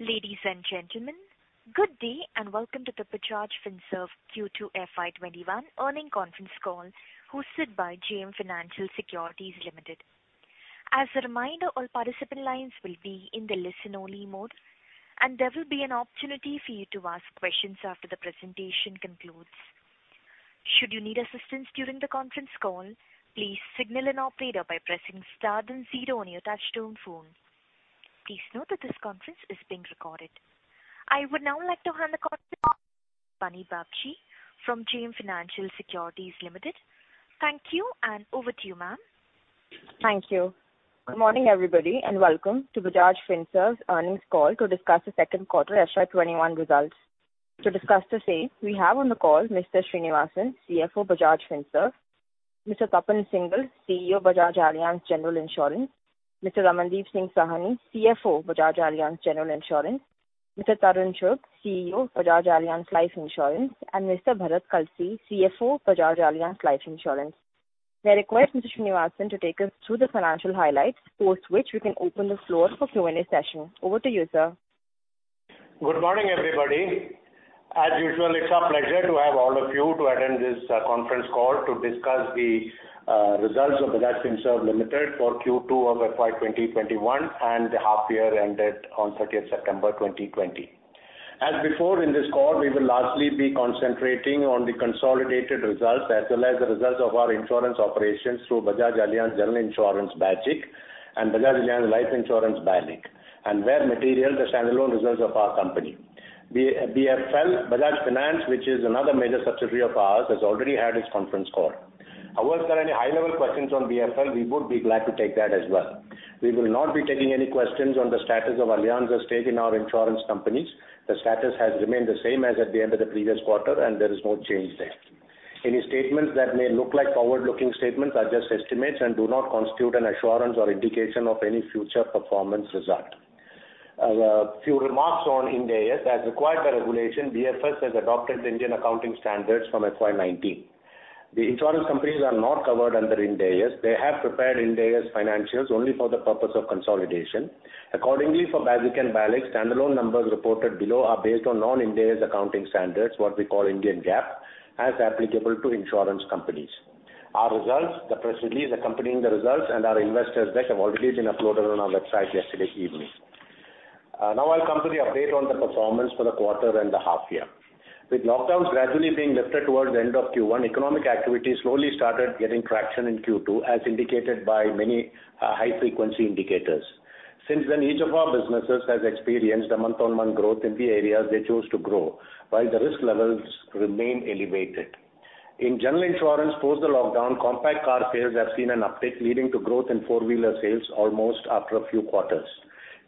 Ladies and gentlemen, good day and welcome to the Bajaj Finserv Q2 FY 2021 earning conference call hosted by JM Financial Securities Limited. As a reminder, all participant lines will be in the listen-only mode, and there will be an opportunity for you to ask questions after the presentation concludes. Should you need assistance during the conference call, please signal an operator by pressing star then zero on your touch-tone phone. Please note that this conference is being recorded. I would now like to hand the conference to Bunny Babjee from JM Financial Securities Limited. Thank you, and over to you, ma'am. Thank you. Good morning, everybody, and welcome to Bajaj Finserv's earnings call to discuss the second quarter FY 2021 results. To discuss the same, we have on the call Mr. Sreenivasan, CFO, Bajaj Finserv; Mr. Tapan Singhel, CEO, Bajaj Allianz General Insurance; Mr. Ramandeep Singh Sahni, CFO, Bajaj Allianz General Insurance; Mr. Tarun Chugh, CEO, Bajaj Allianz Life Insurance; and Mr. Bharat Kalsi, CFO, Bajaj Allianz Life Insurance. May I request Mr. Sreenivasan to take us through the financial highlights, post which we can open the floor for Q&A session. Over to you, sir. Good morning, everybody. As usual, it's a pleasure to have all of you to attend this conference call to discuss the results of Bajaj Finserv Limited for Q2 of FY 2021 and the half year ended on 30th September 2020. As before, in this call, we will largely be concentrating on the consolidated results as well as the results of our insurance operations through Bajaj Allianz General Insurance, BAGIC, and Bajaj Allianz Life Insurance, BALIC, and where material, the standalone results of our company. BFL, Bajaj Finance, which is another major subsidiary of ours, has already had its conference call. If there are any high-level questions on BFL, we would be glad to take that as well. We will not be taking any questions on the status of Allianz's stake in our insurance companies. The status has remained the same as at the end of the previous quarter, and there is no change there. Any statements that may look like forward-looking statements are just estimates and do not constitute an assurance or indication of any future performance result. A few remarks on Ind AS. As required by regulation, BFS has adopted the Indian accounting standards from FY 2019. The insurance companies are not covered under Ind AS. They have prepared Ind AS financials only for the purpose of consolidation. Accordingly, for BAGIC and BALIC, standalone numbers reported below are based on non-Ind AS accounting standards, what we call Indian GAAP, as applicable to insurance companies. Our results, the press release accompanying the results, and our investors deck have already been uploaded on our website yesterday evening. Now I'll come to the update on the performance for the quarter and the half year. With lockdowns gradually being lifted towards the end of Q1, economic activity slowly started getting traction in Q2, as indicated by many high-frequency indicators. Since then, each of our businesses has experienced a month-on-month growth in the areas they chose to grow, while the risk levels remain elevated. In general insurance, post the lockdown, compact car sales have seen an uptick, leading to growth in four-wheeler sales almost after a few quarters.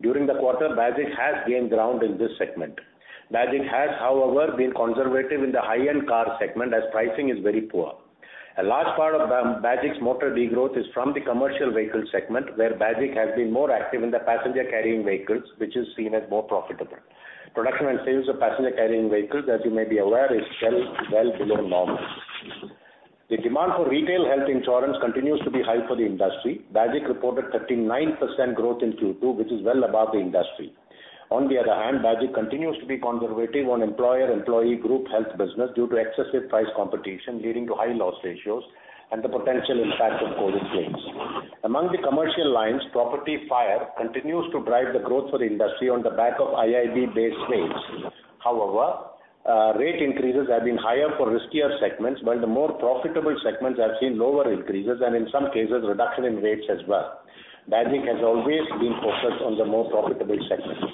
During the quarter, BAGIC has gained ground in this segment. BAGIC has, however, been conservative in the high-end car segment as pricing is very poor. A large part of BAGIC's motor de-growth is from the commercial vehicle segment, where BAGIC has been more active in the passenger carrying vehicles, which is seen as more profitable. Production and sales of passenger carrying vehicles, as you may be aware, is well below normal. The demand for retail health insurance continues to be high for the industry. BAGIC reported 39% growth in Q2, which is well above the industry. On the other hand, BAGIC continues to be conservative on employer-employee group health business due to excessive price competition leading to high loss ratios and the potential impact of COVID claims. Among the commercial lines, property fire continues to drive the growth for the industry on the back of IIB-based rates. However, rate increases have been higher for riskier segments, while the more profitable segments have seen lower increases and in some cases, reduction in rates as well. BAGIC has always been focused on the more profitable segments.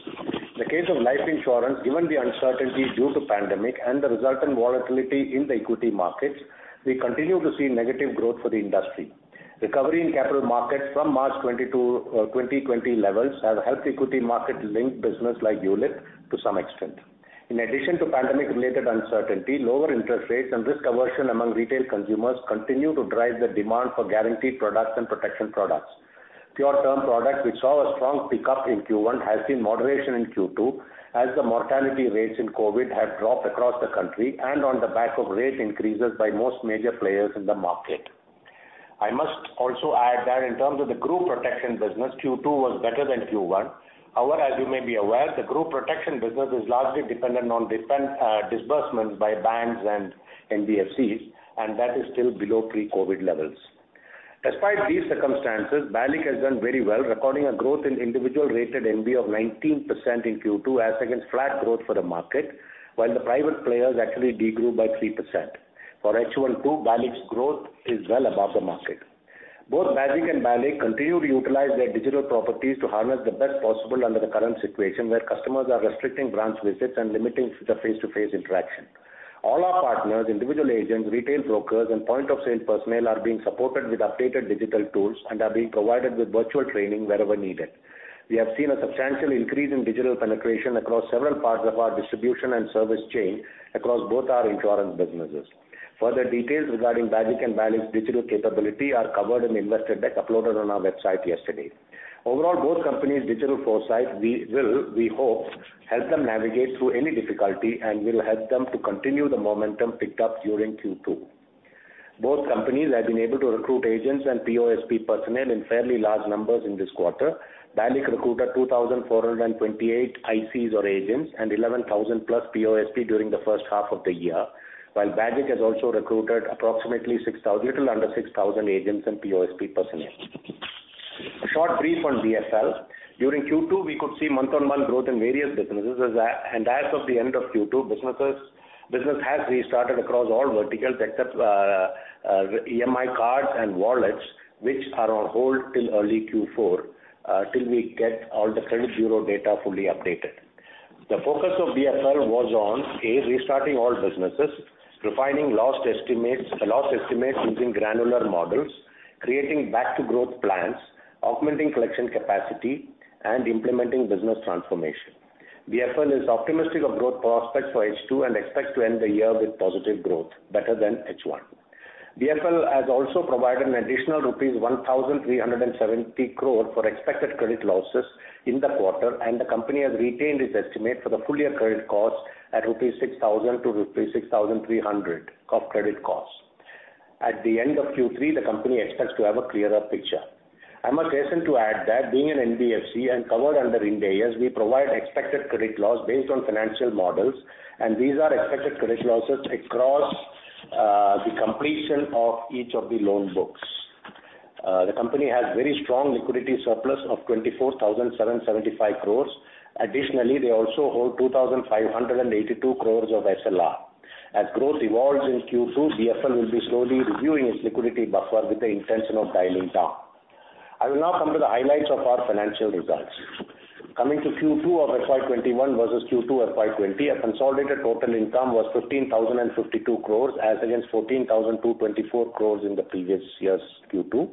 In the case of life insurance, given the uncertainty due to pandemic and the resultant volatility in the equity markets, we continue to see negative growth for the industry. Recovery in capital markets from March 2020 levels has helped equity market-linked business like ULIP to some extent. In addition to pandemic-related uncertainty, lower interest rates and risk aversion among retail consumers continue to drive the demand for guaranteed products and protection products. Pure term product, which saw a strong pickup in Q1, has seen moderation in Q2 as the mortality rates in Covid have dropped across the country and on the back of rate increases by most major players in the market. I must also add that in terms of the group protection business, Q2 was better than Q1. However, as you may be aware, the group protection business is largely dependent on disbursement by banks and NBFCs, and that is still below pre-Covid levels. Despite these circumstances, BALIC has done very well, recording a growth in individual rated NBP of 19% in Q2 as against flat growth for the market, while the private players actually de-grew by 3%. For H1 too, BALIC's growth is well above the market. Both BAGIC and BALIC continue to utilize their digital properties to harness the best possible under the current situation, where customers are restricting branch visits and limiting the face-to-face interaction. All our partners, individual agents, retail brokers, and point-of-sale personnel are being supported with updated digital tools and are being provided with virtual training wherever needed. We have seen a substantial increase in digital penetration across several parts of our distribution and service chain across both our insurance businesses. Further details regarding BAGIC and BALIC's digital capability are covered in the investor deck uploaded on our website yesterday. Overall, both companies' digital foresight will, we hope, help them navigate through any difficulty and will help them to continue the momentum picked up during Q2. Both companies have been able to recruit agents and POSP personnel in fairly large numbers in this quarter. BALIC recruited 2,428 ICs or agents and 11,000+ POSP during the first half of the year, while Bajaj has also recruited approximately little under 6,000 agents and POSP personnel. A short brief on BFL. During Q2, we could see month-on-month growth in various businesses, and as of the end of Q2, business has restarted across all verticals except EMI cards and wallets, which are on hold till early Q4, till we get all the credit bureau data fully updated. The focus of BFL was on, A, restarting all businesses, refining loss estimates using granular models, creating back to growth plans, augmenting collection capacity, and implementing business transformation. BFL is optimistic of growth prospects for H2 and expects to end the year with positive growth, better than H1. BFL has also provided an additional rupees 1,370 crores for expected credit losses in the quarter and the company has retained its estimate for the full year credit cost at 6,000-6,300 rupees of credit cost. At the end of Q3, the company expects to have a clearer picture. I must hasten to add that being an NBFC and covered under Ind AS, we provide expected credit loss based on financial models, and these are expected credit losses across the completion of each of the loan books. The company has very strong liquidity surplus of 24,775 crores. Additionally, they also hold 2,582 crores of SLR. As growth evolves in Q2, BFL will be slowly reviewing its liquidity buffer with the intention of dialing down. I will now come to the highlights of our financial results. Coming to Q2 of FY 2021 versus Q2 FY 2020, our consolidated total income was 15,052 crores as against 14,224 crores in the previous year's Q2.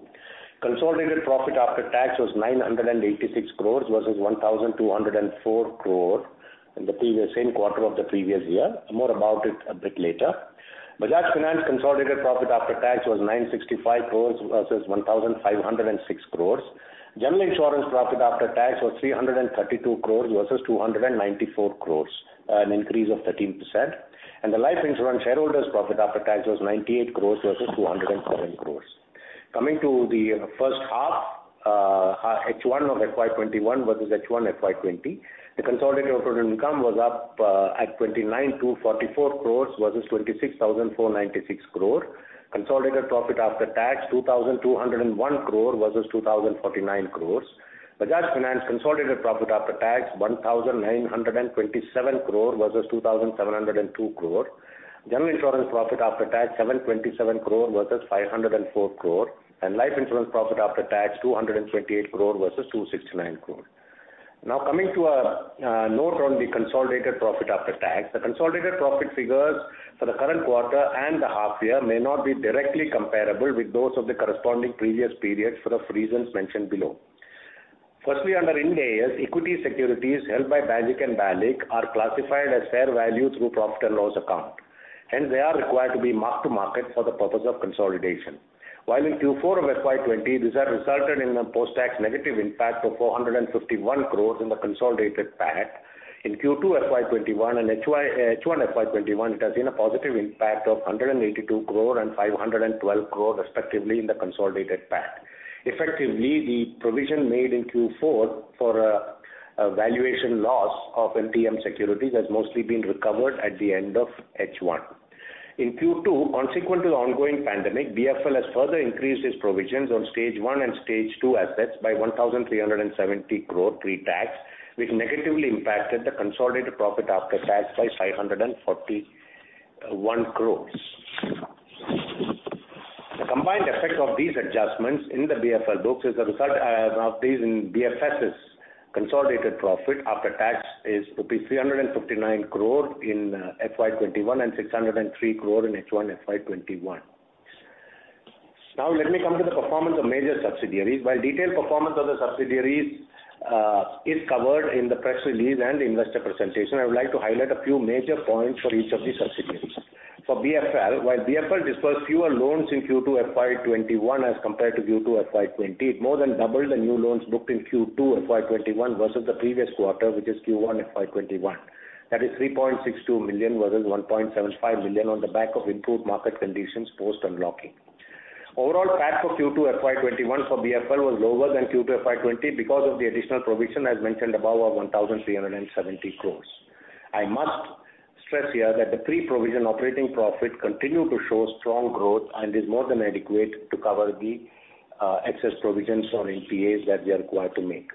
Consolidated profit after tax was 986 crores versus 1,204 crores in the same quarter of the previous year. More about it a bit later. Bajaj Finance consolidated profit after tax was 965 crores versus 1,506 crores. General Insurance profit after tax was 332 crores versus 294 crores, an increase of 13%. The Life Insurance shareholders' profit after tax was 98 crores versus 207 crores. Coming to the first half, H1 of FY 2021 versus H1 FY 2020, the consolidated total income was up at 29,244 crores versus 26,496 crores. Consolidated profit after tax 2,201 crores versus 2,049 crores. Bajaj Finance consolidated profit after tax 1,927 crores versus 2,702 crores. General Insurance profit after tax 727 crores versus 504 crores, and Life Insurance profit after tax 228 crores versus 269 crores. Coming to a note on the consolidated profit after tax. The consolidated profit figures for the current quarter and the half year may not be directly comparable with those of the corresponding previous periods for the reasons mentioned below. Firstly, under Ind AS, equity securities held by Bajaj and BALIC are classified as fair value through profit and loss account, and they are required to be marked to market for the purpose of consolidation. While in Q4 of FY 2020, these have resulted in a post-tax negative impact of 451 crores in the consolidated PAT. In Q2 FY 2021 and H1 FY 2021, it has been a positive impact of 182 crores and 512 crores respectively in the consolidated PAT. Effectively, the provision made in Q4 for a valuation loss of MTM securities has mostly been recovered at the end of H1. In Q2, consequent to the ongoing pandemic, BFL has further increased its provisions on stage one and stage two assets by 1,370 crores pre-tax, which negatively impacted the consolidated profit after tax by 541 crores. The combined effect of these adjustments in the BFL books as a result of these in BFS's consolidated profit after tax is INR 359 crores in FY 2021 and 603 crores in H1 FY 2021. Let me come to the performance of major subsidiaries. While detailed performance of the subsidiaries is covered in the press release and investor presentation, I would like to highlight a few major points for each of the subsidiaries. For BFL, while BFL dispersed fewer loans in Q2 FY 2021 as compared to Q2 FY 2020, it more than doubled the new loans booked in Q2 FY 2021 versus the previous quarter, which is Q1 FY 2021. That is 3.62 million versus 1.75 million on the back of improved market conditions post unlocking. Overall PAT for Q2 FY 2021 for BFL was lower than Q2 FY 2020 because of the additional provision as mentioned above of 1,370 crores. I must stress here that the pre-provision operating profit continued to show strong growth and is more than adequate to cover the excess provisions on NPAs that we are required to make.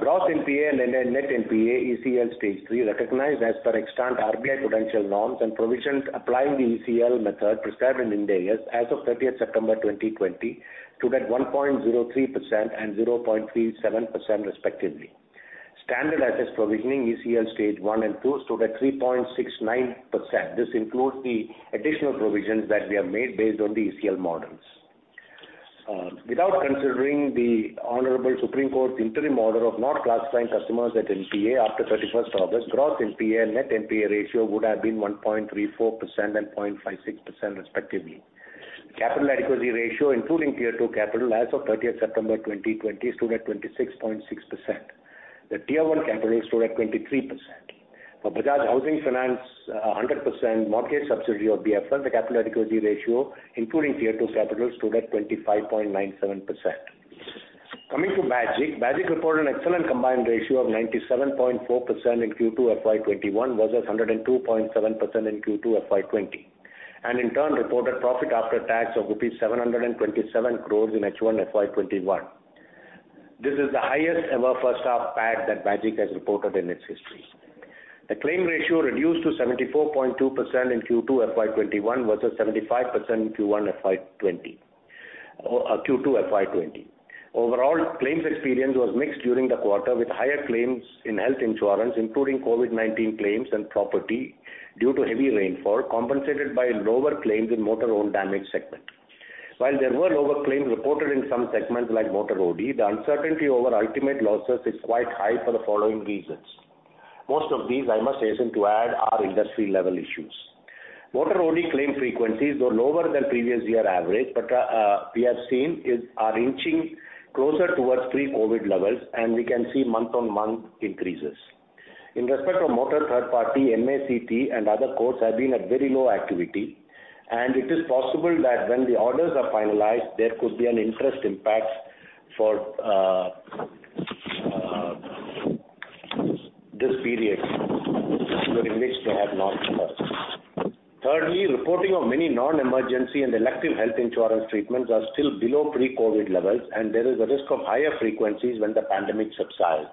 Gross NPA and net NPA ECL stage three recognized as per extant RBI prudential norms and provisions applying the ECL method prescribed in Ind AS as of 30th September 2020, stood at 1.03% and 0.37% respectively. Standard asset provisioning ECL stage one and two stood at 3.69%. This includes the additional provisions that we have made based on the ECL models. Without considering the honorable Supreme Court's interim order of not classifying customers at NPA after 31st August, gross NPA and net NPA ratio would have been 1.34% and 0.56% respectively. Capital adequacy ratio including tier one capital as of 30th September 2020, stood at 26.6%. The tier one capital stood at 23%. For Bajaj Housing Finance, a 100% mortgage subsidiary of BFL, the capital adequacy ratio, including tier two capital, stood at 25.97%. Coming to BAGIC. BAGIC reported an excellent combined ratio of 97.4% in Q2 FY 2021 versus 102.7% in Q2 FY 2020, in turn reported profit after tax of rupees 727 crores in H1 FY 2021. This is the highest ever first half PAT that BAGIC has reported in its history. The claim ratio reduced to 74.2% in Q2 FY 2021 versus 75% in Q2 FY 2020. Overall, claims experience was mixed during the quarter with higher claims in health insurance, including COVID-19 claims and property due to heavy rainfall, compensated by lower claims in motor OD segment. While there were lower claims reported in some segments like motor OD, the uncertainty over ultimate losses is quite high for the following reasons. Most of these, I must hasten to add, are industry-level issues. Motor OD claim frequencies were lower than previous year average, but we have seen are inching closer towards pre-COVID levels, and we can see month-on-month increases. In respect of motor third party, MACT and other courts have been at very low activity, and it is possible that when the orders are finalized, there could be an interest impact for this period during which they have not emerged. Thirdly, reporting of many non-emergency and elective health insurance treatments are still below pre-COVID levels, and there is a risk of higher frequencies when the pandemic subsides.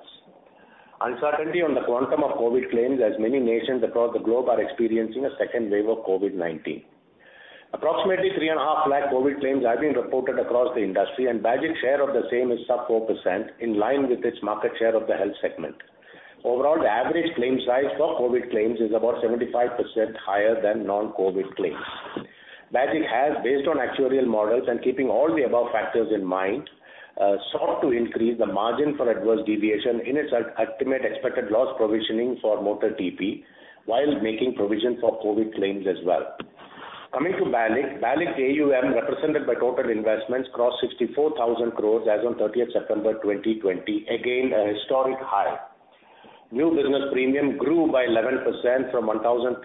Uncertainty on the quantum of COVID claims as many nations across the globe are experiencing a second wave of COVID-19. Approximately three and a half lakh COVID claims have been reported across the industry, and BAGIC's share of the same is sub 4%, in line with its market share of the health segment. Overall, the average claim size for COVID claims is about 75% higher than non-COVID claims. BAGIC has, based on actuarial models and keeping all the above factors in mind, sought to increase the margin for adverse deviation in its ultimate expected loss provisioning for motor TP while making provision for COVID claims as well. Coming to BALIC. BALIC AUM, represented by total investments, crossed 64,000 crores as on 30th September 2020. Again, a historic high. New business premium grew by 11% from 1,235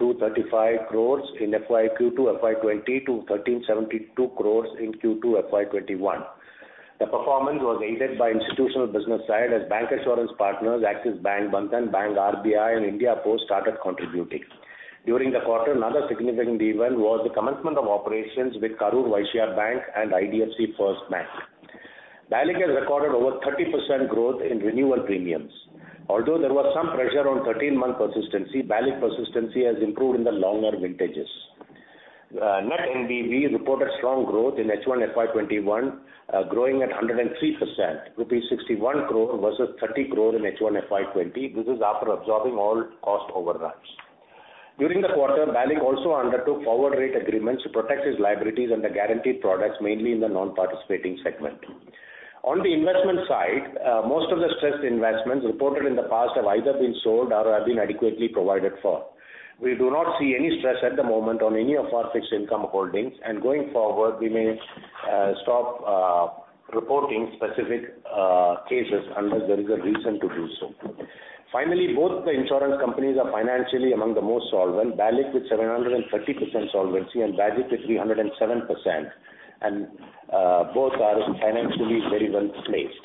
crores in Q2 FY 2020 to 1,372 crores in Q2 FY 2021. The performance was aided by institutional business side as bancassurance insurance partners Axis Bank, Bandhan Bank, RBI and India Post started contributing. During the quarter, another significant event was the commencement of operations with Karur Vysya Bank and IDFC FIRST Bank. BALIC has recorded over 30% growth in renewal premiums. Although there was some pressure on 13 month persistency, BALIC persistency has improved in the longer vintages. Net NBV reported strong growth in H1 FY 2021, growing at 103%, rupees 61 crores versus 30 crores in H1 FY 2020. This is after absorbing all cost overruns. During the quarter, BALIC also undertook forward rate agreements to protect its liabilities under guaranteed products, mainly in the non-participating segment. On the investment side, most of the stressed investments reported in the past have either been sold or have been adequately provided for. We do not see any stress at the moment on any of our fixed income holdings, and going forward, we may stop reporting specific cases unless there is a reason to do so. Finally, both the insurance companies are financially among the most solvent, BALIC with 730% solvency and BAGIC with 307%, and both are financially very well placed.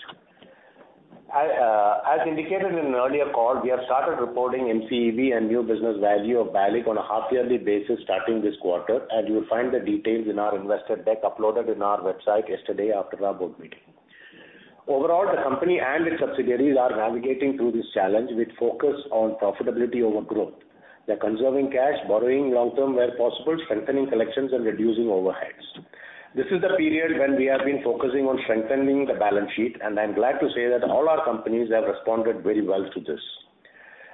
As indicated in an earlier call, we have started reporting EV and new business value of BALIC on a half-yearly basis starting this quarter, and you will find the details in our investor deck uploaded in our website yesterday after our board meeting. Overall, the company and its subsidiaries are navigating through this challenge with focus on profitability over growth. They're conserving cash, borrowing long-term where possible, strengthening collections and reducing overheads. This is the period when we have been focusing on strengthening the balance sheet, and I'm glad to say that all our companies have responded very well to this.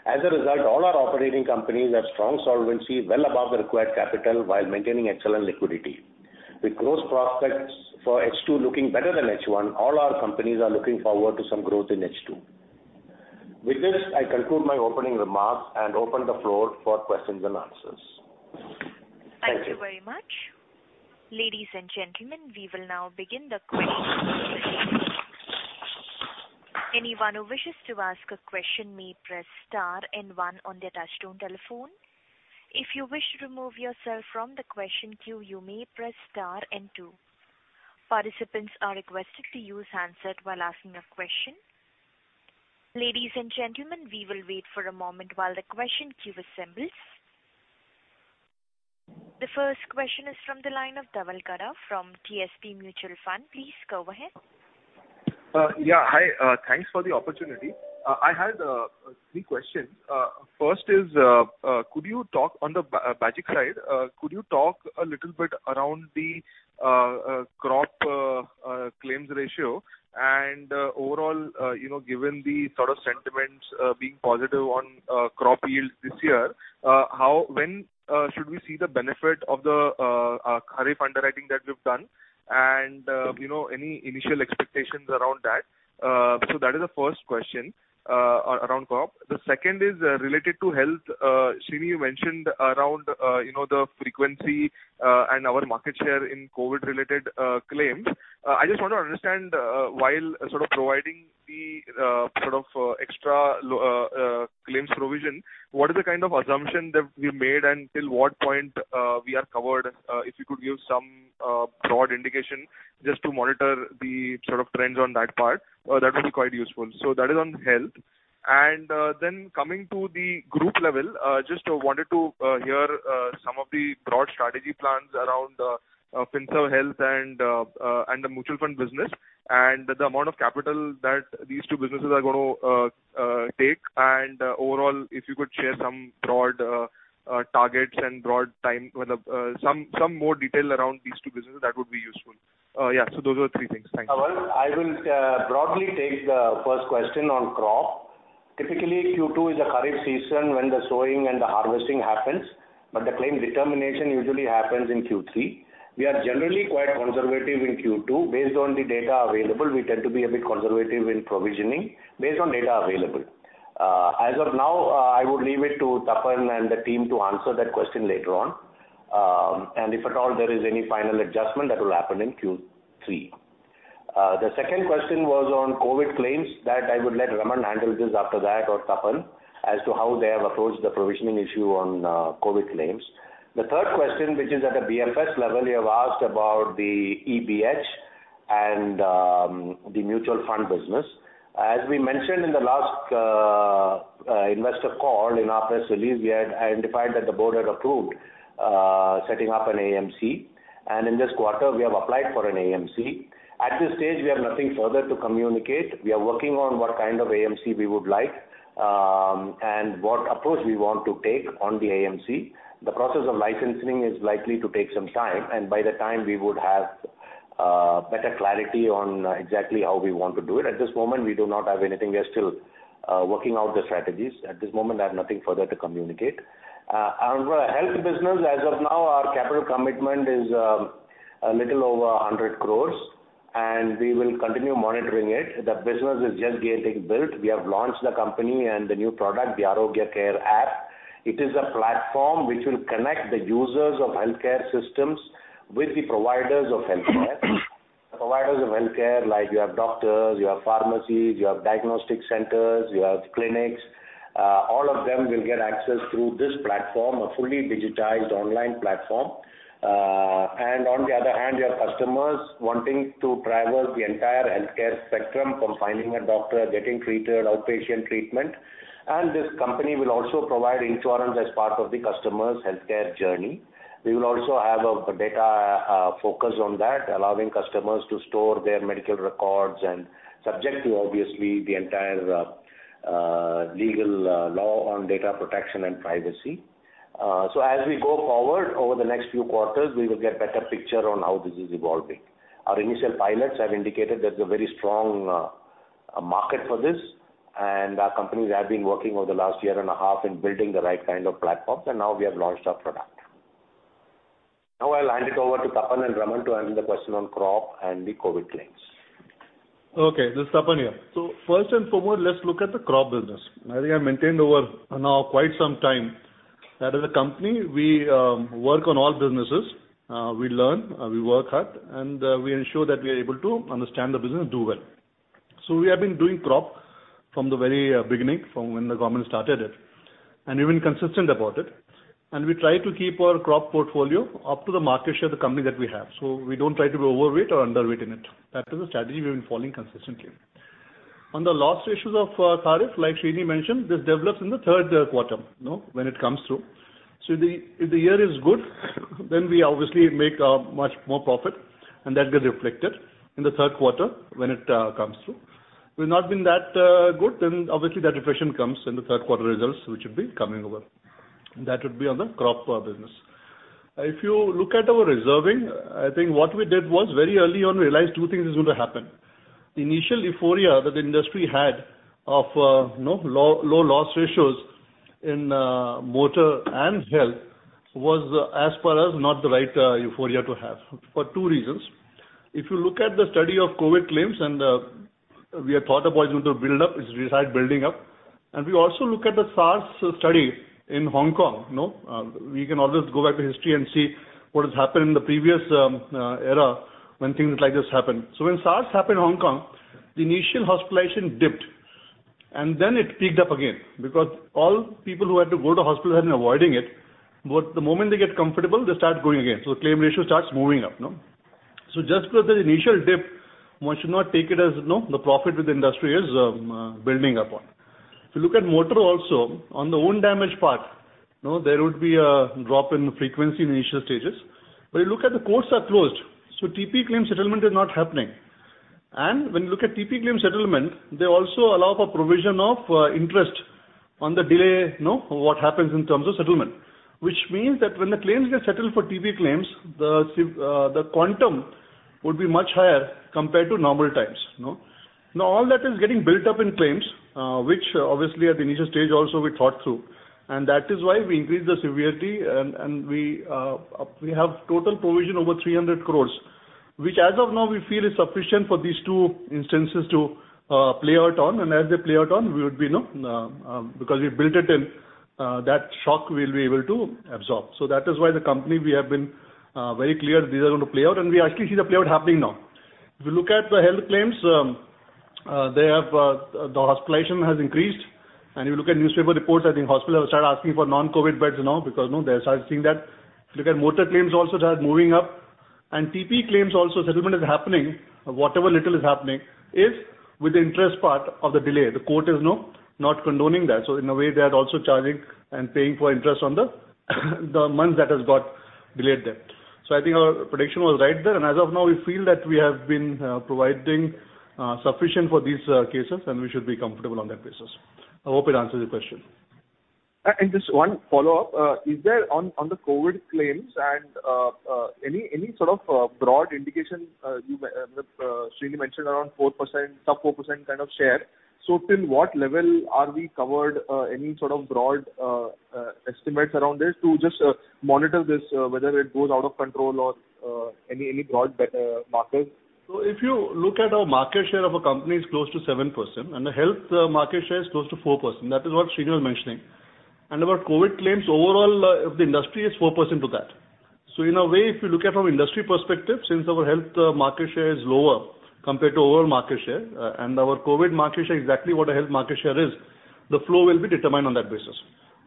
As a result, all our operating companies have strong solvency well above the required capital while maintaining excellent liquidity. With growth prospects for H2 looking better than H1, all our companies are looking forward to some growth in H2. With this, I conclude my opening remarks and open the floor for questions and answers. Thank you. Thank you very much. Ladies and gentlemen, we will now begin the question and answer session. Anyone who wishes to ask a question may press star and one on your touchtone telephone. If you wish to remove yourself from the question queue, you may press star and two. Participants are requested to use handset while asking a question. Ladies and gentlemen, we will wait for a moment while the question queue assembles. The first question is from the line of Dhaval Gada from DSP Mutual Fund. Please go ahead. Yeah. Hi. Thanks for the opportunity. I had three questions. On the BAGIC side, could you talk a little bit around the crop claims ratio and overall, given the sort of sentiments being positive on crop yields this year, when should we see the benefit of the kharif underwriting that we've done and any initial expectations around that? That is the first question around crop. The second is related to health Sreeni, you mentioned around the frequency and our market share in COVID related claims. I just want to understand, while providing the extra claims provision, what is the kind of assumption that we made and till what point we are covered, if you could give some broad indication just to monitor the trends on that part, that would be quite useful. That is on health. Coming to the group level, just wanted to hear some of the broad strategy plans around Finserv Health and the mutual fund business, and the amount of capital that these two businesses are going to take. Overall, if you could share some broad targets and some more detail around these two businesses, that would be useful. Yeah. Those are the three things. Thanks. Dhaval, I will broadly take the first question on crop. Typically, Q2 is a kharif season when the sowing and the harvesting happens, but the claim determination usually happens in Q3. We are generally quite conservative in Q2. Based on the data available, we tend to be a bit conservative in provisioning based on data available. As of now, I would leave it to Tapan and the team to answer that question later on. If at all there is any final adjustment, that will happen in Q3. The second question was on COVID claims that I would let Raman handle this after that or Tapan, as to how they have approached the provisioning issue on COVID claims. The third question, which is at a BFS level, you have asked about the BFH and the mutual fund business. We mentioned in the last investor call in our press release, we had identified that the board had approved setting up an AMC. In this quarter, we have applied for an AMC. At this stage, we have nothing further to communicate. We are working on what kind of AMC we would like and what approach we want to take on the AMC. The process of licensing is likely to take some time, and by that time we would have better clarity on exactly how we want to do it. At this moment, we do not have anything. We are still working out the strategies. At this moment, I have nothing further to communicate. For the Health Business, as of now, our capital commitment is a little over 100 crores and we will continue monitoring it. The business is just getting built. We have launched the company and the new product, the Arogya Care app. It is a platform which will connect the users of healthcare systems with the providers of healthcare. The providers of healthcare, like you have doctors, you have pharmacies, you have diagnostic centers, you have clinics. All of them will get access through this platform, a fully digitized online platform. On the other hand, you have customers wanting to traverse the entire healthcare spectrum from finding a doctor, getting treated, outpatient treatment. This company will also provide insurance as part of the customer's healthcare journey. We will also have a data focus on that, allowing customers to store their medical records and subject to obviously the entire legal law on data protection and privacy. As we go forward over the next few quarters, we will get better picture on how this is evolving. Our initial pilots have indicated there's a very strong market for this, and our companies have been working over the last year and a half in building the right kind of platforms, and now we have launched our product. I'll hand it over to Tapan and Raman to answer the question on crop and the COVID claims. Okay, this is Tapan here. First and foremost, let's look at the crop business. I think I maintained over now quite some time that as a company, we work on all businesses. We learn, we work hard, and we ensure that we are able to understand the business and do well. We have been doing crop from the very beginning, from when the government started it. We've been consistent about it. We try to keep our crop portfolio up to the market share of the company that we have. We don't try to be overweight or underweight in it. That is the strategy we've been following consistently. On the loss ratios of kharif, like Sreeni mentioned, this develops in the third quarter when it comes through. If the year is good, then we obviously make much more profit and that gets reflected in the third quarter when it comes through. If it's not been that good, obviously that depression comes in the third quarter results, which would be coming over. That would be on the crop business. If you look at our reserving, I think what we did was very early on realized two things is going to happen. The initial euphoria that the industry had of low loss ratios in motor and health was, as per us, not the right euphoria to have for two reasons. If you look at the study of COVID claims, we had thought about is it going to build up, which we had building up. We also look at the SARS study in Hong Kong. We can always go back to history and see what has happened in the previous era when things like this happened. When SARS happened in Hong Kong, the initial hospitalization dipped, and then it peaked up again because all people who had to go to hospital had been avoiding it. The moment they get comfortable, they start going again. Claim ratio starts moving up. Just because of the initial dip, one should not take it as the profit with the industry is building up on. If you look at motor also, on the own damage part, there would be a drop in frequency in initial stages. You look at the courts are closed, so TP claim settlement is not happening. When you look at TP claim settlement, they also allow for provision of interest on the delay what happens in terms of settlement, which means that when the claims get settled for TP claims, the quantum would be much higher compared to normal times. All that is getting built up in claims, which obviously at the initial stage also we thought through. That is why we increased the severity and we have total provision over 300 crores. Which as of now we feel is sufficient for these two instances to play out on and as they play out on, because we've built it in, that shock we will be able to absorb. That is why the company, we have been very clear these are going to play out and we actually see the play-out happening now. If you look at the health claims, the hospitalization has increased. You look at newspaper reports, I think hospitals have started asking for non-COVID beds now because now they have started seeing that. If you look at motor claims also started moving up and TP claims also settlement is happening. Whatever little is happening is with the interest part of the delay. The court is not condoning that. In a way, they are also charging and paying for interest on the months that has got delayed there. I think our prediction was right there and as of now we feel that we have been providing sufficient for these cases and we should be comfortable on that basis. I hope it answers your question. Just one follow-up. Is there on the COVID claims and any sort of broad indication, Sreeni mentioned around 4%, sub 4% kind of share. Till what level are we covered, any sort of broad estimates around this to just monitor this whether it goes out of control or any broad markers? If you look at our company's market share is close to 7% and the health market share is close to 4%. That is what Sreeni was mentioning. Our COVID claims overall of the industry is 4% to that. In a way if you look at from industry perspective, since our health market share is lower compared to overall market share and our COVID market share exactly what our health market share is, the flow will be determined on that basis.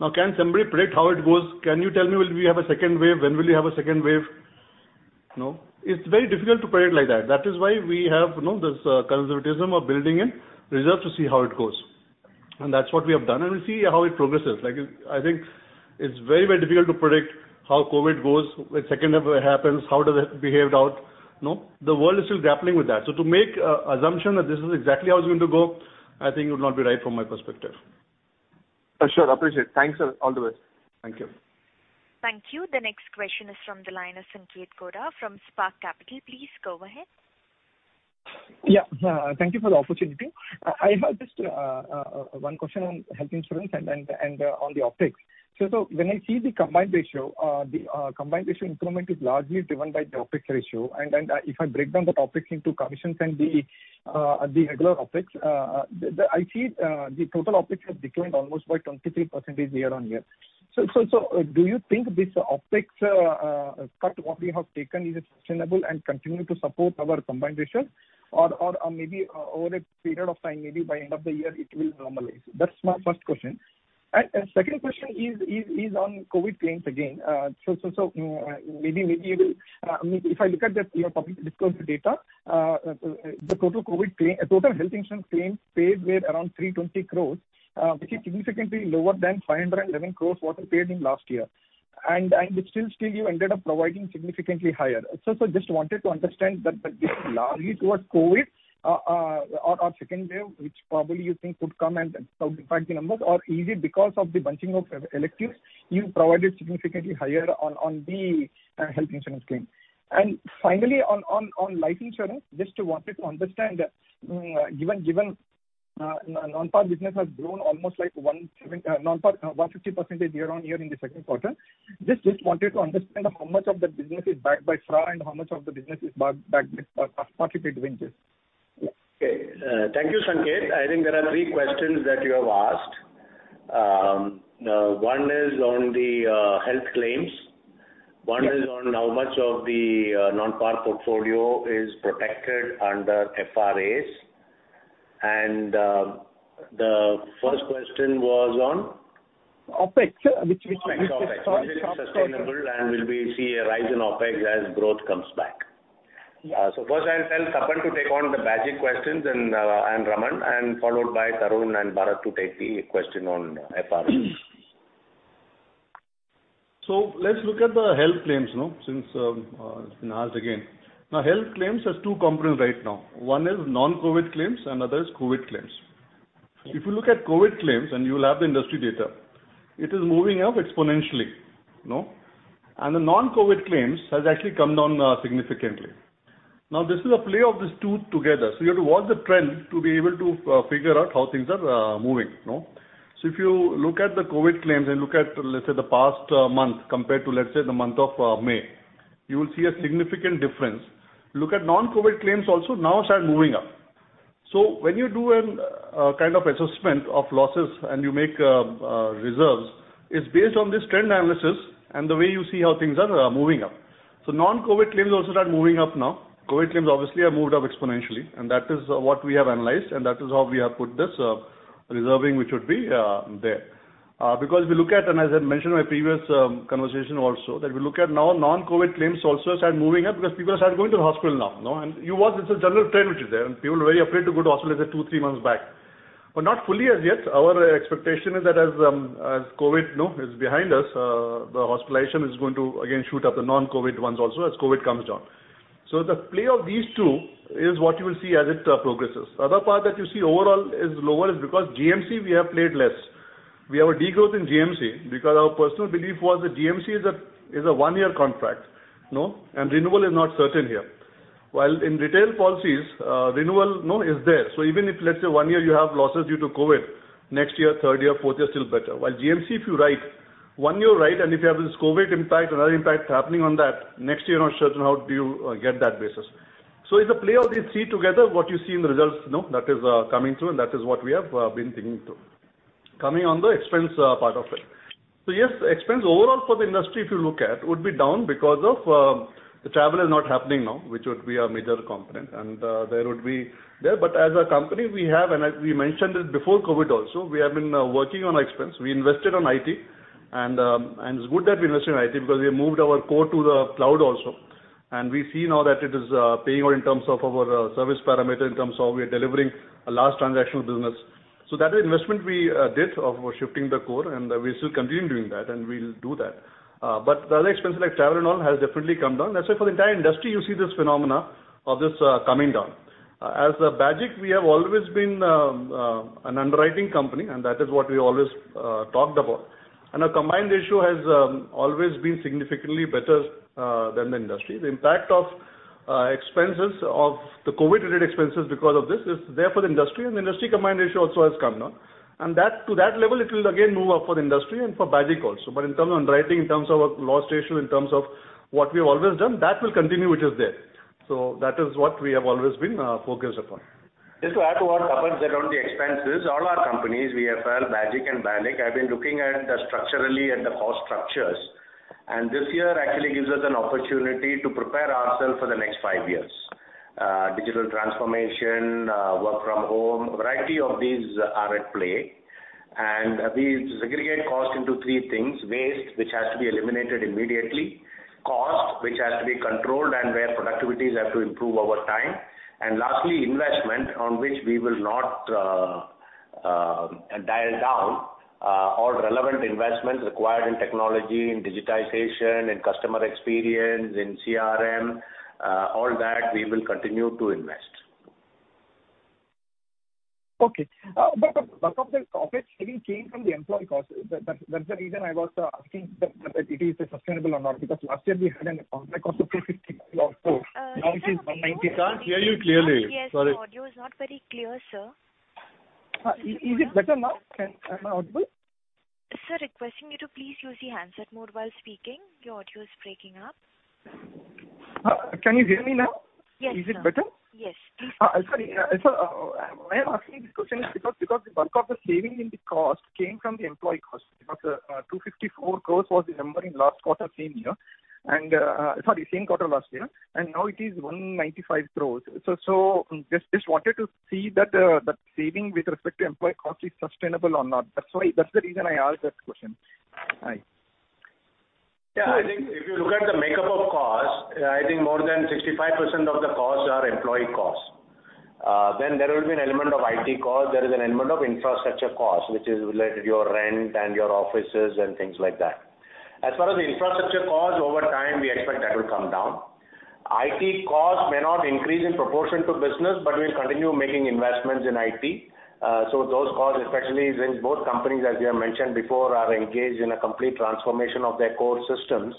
Can somebody predict how it goes? Can you tell me will we have a second wave? When will you have a second wave? It's very difficult to predict like that. That is why we have this conservatism of building in reserve to see how it goes. That's what we have done and we'll see how it progresses. I think it's very difficult to predict how COVID goes, when second wave happens, how does it behave out. The world is still grappling with that. To make assumption that this is exactly how it's going to go, I think would not be right from my perspective. Sure. Appreciate it. Thanks. All the best. Thank you. Thank you. The next question is from the line of Sanket Godha from Spark Capital. Please go ahead. Yeah. Thank you for the opportunity. I have just one question on health insurance and on the OpEx. When I see the combined ratio, the combined ratio improvement is largely driven by the OpEx ratio and if I break down the OpEx into commissions and the regular OpEx, I see the total OpEx has declined almost by 23% year-over-year. Do you think this OpEx cut what we have taken is it sustainable and continuing to support our combined ratio or maybe over a period of time, maybe by end of the year it will normalize? That's my first question. Second question is on COVID claims again. If I look at the public disclosed data, the total health insurance claims paid were around 320 crores which is significantly lower than 511 crores what were paid in last year and still you ended up providing significantly higher. Just wanted to understand that this is largely towards COVID or second wave which probably you think could come and outpace the numbers or is it because of the bunching of electives you provided significantly higher on the health insurance claim. Finally on life insurance, just wanted to understand given non-par business has grown almost like 150% year-over-year in the second quarter, just wanted to understand how much of the business is backed by FRA and how much of the business is backed by market rate ranges. Okay. Thank you, Sanket. I think there are three questions that you have asked. One is on the health claims, one is on how much of the non-par portfolio is protected under FRAs and the first question was on? OpEx. OpEx, whether it is sustainable and will we see a rise in OpEx as growth comes back. First I'll tell Tapan to take on the Bajaj questions and Raman and followed by Tarun and Bharat to take the question on FRA. Let's look at the health claims since it's been asked again. Health claims has two components right now. One is non-COVID claims and other is COVID claims. If you look at COVID claims and you will have the industry data, it is moving up exponentially. The non-COVID claims has actually come down significantly. This is a play of these two together. You have to watch the trend to be able to figure out how things are moving. If you look at the COVID claims and look at let's say the past month compared to let's say the month of May, you will see a significant difference. Look at non-COVID claims also now start moving up. When you do a kind of assessment of losses and you make reserves, it's based on this trend analysis and the way you see how things are moving up. Non-COVID claims also start moving up now. COVID claims obviously have moved up exponentially and that is what we have analyzed and that is how we have put this reserving which would be there. We look at and as I mentioned in my previous conversation also that we look at now non-COVID claims also start moving up because people have started going to the hospital now. You watch this is a general trend which is there and people were very afraid to go to hospital let's say two, three months back. Not fully as yet. Our expectation is that as COVID is behind us, the hospitalization is going to again shoot up the non-COVID ones also as COVID comes down. The play of these two is what you will see as it progresses. Other part that you see overall is lower is because GMC we have played less. We have a decline in GMC because our personal belief was that GMC is a one-year contract and renewal is not certain here. In retail policies, renewal is there. Even if let's say one year you have losses due to COVID, next year, third year, fourth year still better. GMC if you write one year, right, and if you have this COVID impact, another impact happening on that next year, not certain how do you get that basis. It's a play of these three together, what you see in the results now, that is coming through, and that is what we have been thinking through. Coming on the expense part of it. Yes, expense overall for the industry, if you look at, would be down because of the travel is not happening now, which would be a major component, and there would be there. As a company, we have, and as we mentioned it before COVID also, we have been working on expense. We invested on IT, and it's good that we invested in IT because we moved our core to the cloud also. We see now that it is paying off in terms of our service parameter, in terms of we are delivering a large transactional business. That is investment we did of shifting the core, and we still continue doing that, and we'll do that. The other expenses like travel and all has definitely come down. That's why for the entire industry, you see this phenomena of this coming down. As BAGIC, we have always been an underwriting company, and that is what we always talked about. Our combined ratio has always been significantly better than the industry. The impact of the COVID-related expenses because of this is there for the industry, and the industry combined ratio also has come down. To that level, it will again move up for the industry and for BAGIC also. In terms of underwriting, in terms of our loss ratio, in terms of what we've always done, that will continue, which is there. That is what we have always been focused upon. Just to add to what Tapan said on the expenses, all our companies, BFL, BAGIC, and BALIC, have been looking at structurally at the cost structures. This year actually gives us an opportunity to prepare ourselves for the next five years. Digital transformation, work from home, a variety of these are at play. We segregate cost into three things: waste, which has to be eliminated immediately, cost, which has to be controlled and where productivities have to improve over time, and lastly, investment, on which we will not dial down all relevant investments required in technology, in digitization, in customer experience, in CRM, all that we will continue to invest. Okay. The bulk of the profit saving came from the employee costs. That's the reason I was asking that it is sustainable or not, because last year we had an employee cost of 254 crores. Now it is 190 crores. Can't hear you clearly. Sorry. Yes, audio is not very clear, sir. Is it better now? Am I audible? Sir, requesting you to please use the handset mode while speaking. Your audio is breaking up. Can you hear me now? Yes, sir. Is it better? Yes. Sorry. I'm asking this question because the bulk of the saving in the cost came from the employee cost. 254 crores was the number in last quarter, same quarter last year, and now it is 195 crores. Just wanted to see that the saving with respect to employee cost is sustainable or not. That's the reason I asked that question. I think if you look at the makeup of cost, I think more than 65% of the costs are employee costs. There will be an element of IT cost. There is an element of infrastructure cost, which is related to your rent and your offices and things like that. As far as the infrastructure cost, over time, we expect that will come down. IT cost may not increase in proportion to business, but we'll continue making investments in IT. Those costs, especially in both companies, as we have mentioned before, are engaged in a complete transformation of their core systems.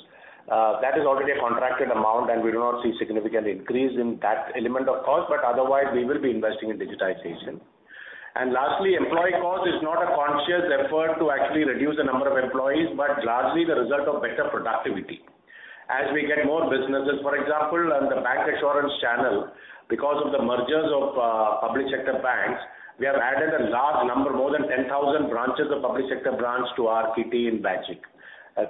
That is already a contracted amount, and we do not see significant increase in that element of cost, but otherwise, we will be investing in digitization. Lastly, employee cost is not a conscious effort to actually reduce the number of employees, but largely the result of better productivity. As we get more businesses, for example, on the bancassurance channel because of the mergers of public sector banks, we have added a large number, more than 10,000 branches of public sector banks to our kitty in BAGIC.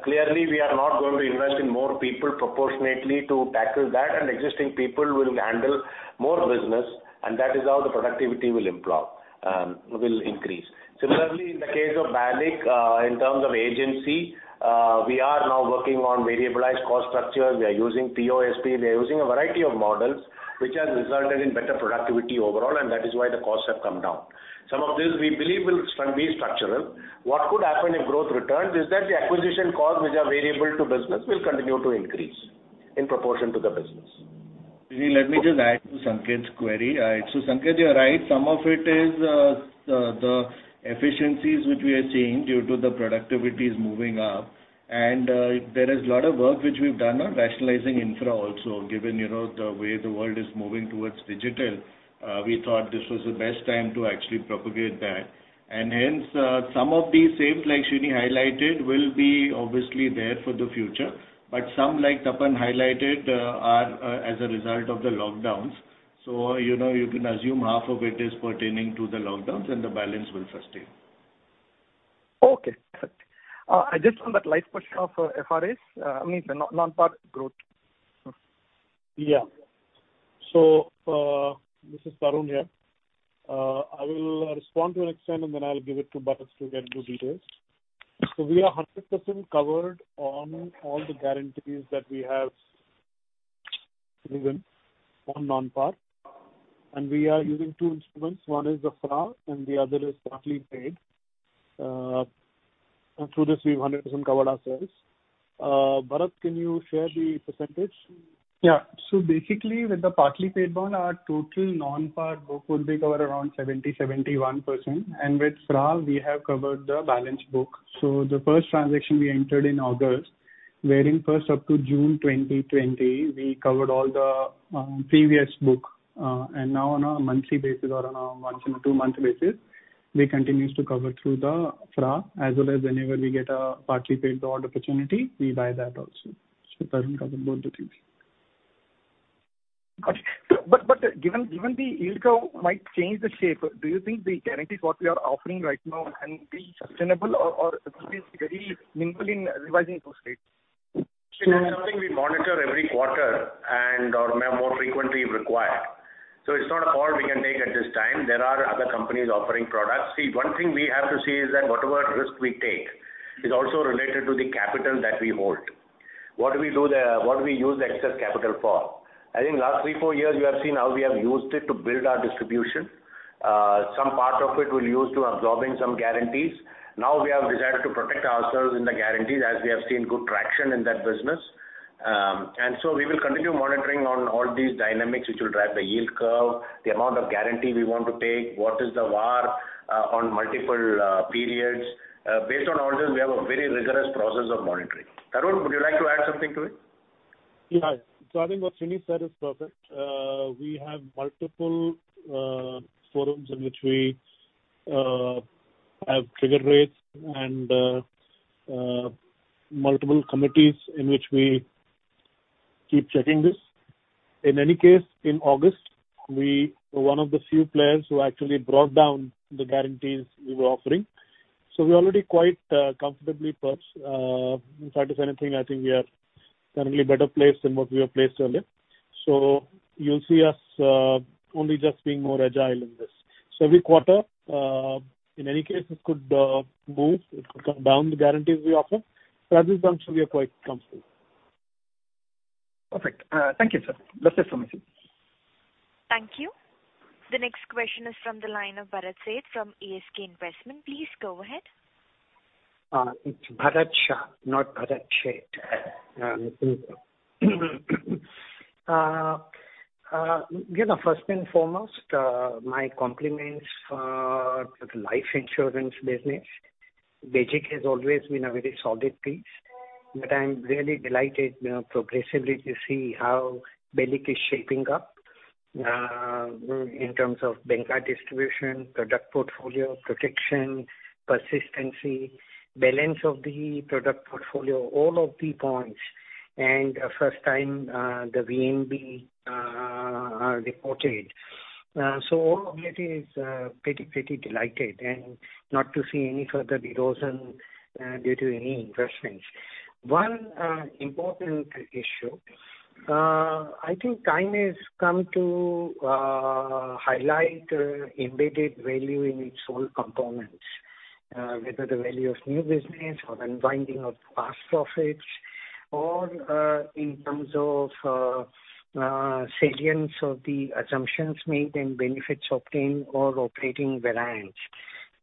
Clearly, we are not going to invest in more people proportionately to tackle that, and existing people will handle more business, and that is how the productivity will increase. Similarly, in the case of BALIC, in terms of agency, we are now working on variabilized cost structures. We are using POSP. We are using a variety of models, which has resulted in better productivity overall, and that is why the costs have come down. Some of this we believe will be structural. What could happen if growth returns is that the acquisition costs, which are variable to business, will continue to increase in proportion to the business. Sreeni, let me just add to Sanket's query. Sanket, you're right, some of it is the efficiencies which we are seeing due to the productivities moving up, and there is a lot of work which we've done on rationalizing infra also. Given the way the world is moving towards digital, we thought this was the best time to actually propagate that. Hence, some of these saves, like Sreeni highlighted, will be obviously there for the future. Some, like Tapan highlighted, are as a result of the lockdowns. You can assume half of it is pertaining to the lockdowns, and the balance will sustain. Okay, perfect. I just want that last question of FRAs, I mean, the non-par growth. Yeah. This is Tarun here. I will respond to an extent, and then I'll give it to Bharat to get into details. We are 100% covered on all the guarantees that we have given on non-par. We are using two instruments. One is the FRA, and the other is partly paid. Through this, we've 100% covered ourselves. Bharat, can you share the percentage? Basically, with the partly paid bond, our total non-par book would be covered around 70%, 71%. With FRA, we have covered the balance book. The first transaction we entered in August, wherein first up to June 2020, we covered all the previous book. Now on a monthly basis or on a once in a two month basis, we continue to cover through the FRA as well as whenever we get a partly paid bond opportunity, we buy that also. Tarun covered both the things. Got you. Given the yield curve might change the shape, do you think the guarantees what we are offering right now can be sustainable or will it be very nimble in revising those rates? It's something we monitor every quarter and/or more frequently if required. It's not a call we can take at this time. There are other companies offering products. See, one thing we have to see is that whatever risk we take is also related to the capital that we hold. What do we use the excess capital for? I think last three, four years you have seen how we have used it to build our distribution. Some part of it we'll use to absorbing some guarantees. Now we have decided to protect ourselves in the guarantees as we have seen good traction in that business. We will continue monitoring on all these dynamics which will drive the yield curve, the amount of guarantee we want to take, what is the VaR on multiple periods. Based on all this, we have a very rigorous process of monitoring. Tarun, would you like to add something to it? Yeah. I think what Sreeni said is perfect. We have multiple forums in which we have trigger rates and multiple committees in which we keep checking this. In any case, in August, we were one of the few players who actually brought down the guarantees we were offering. We're already quite comfortably perched. In fact, if anything, I think we are currently better placed than what we were placed earlier. You'll see us only just being more agile in this. Every quarter, in any case it could move, it could come down the guarantees we offer. At this juncture, we are quite comfortable. Perfect. Thank you, sir. Thank you so much. Thank you. The next question is from the line of Bharat Shah from ASK Investment Managers. Please go ahead. It's Bharat Shah, not Bharat Shah. First and foremost, my compliments for the life insurance business. BAGIC has always been a very solid piece, but I'm really delighted progressively to see how BALIC is shaping up in terms of banker distribution, product portfolio, protection, persistency, balance of the product portfolio, all of the points and first time the VNB are reported. All of it is pretty delighted and not to see any further erosion due to any investments. One important issue, I think time has come to highlight Embedded Value in its whole components, whether the Value of New Business or unbinding of past profits or in terms of salience of the assumptions made and benefits obtained or operating variance.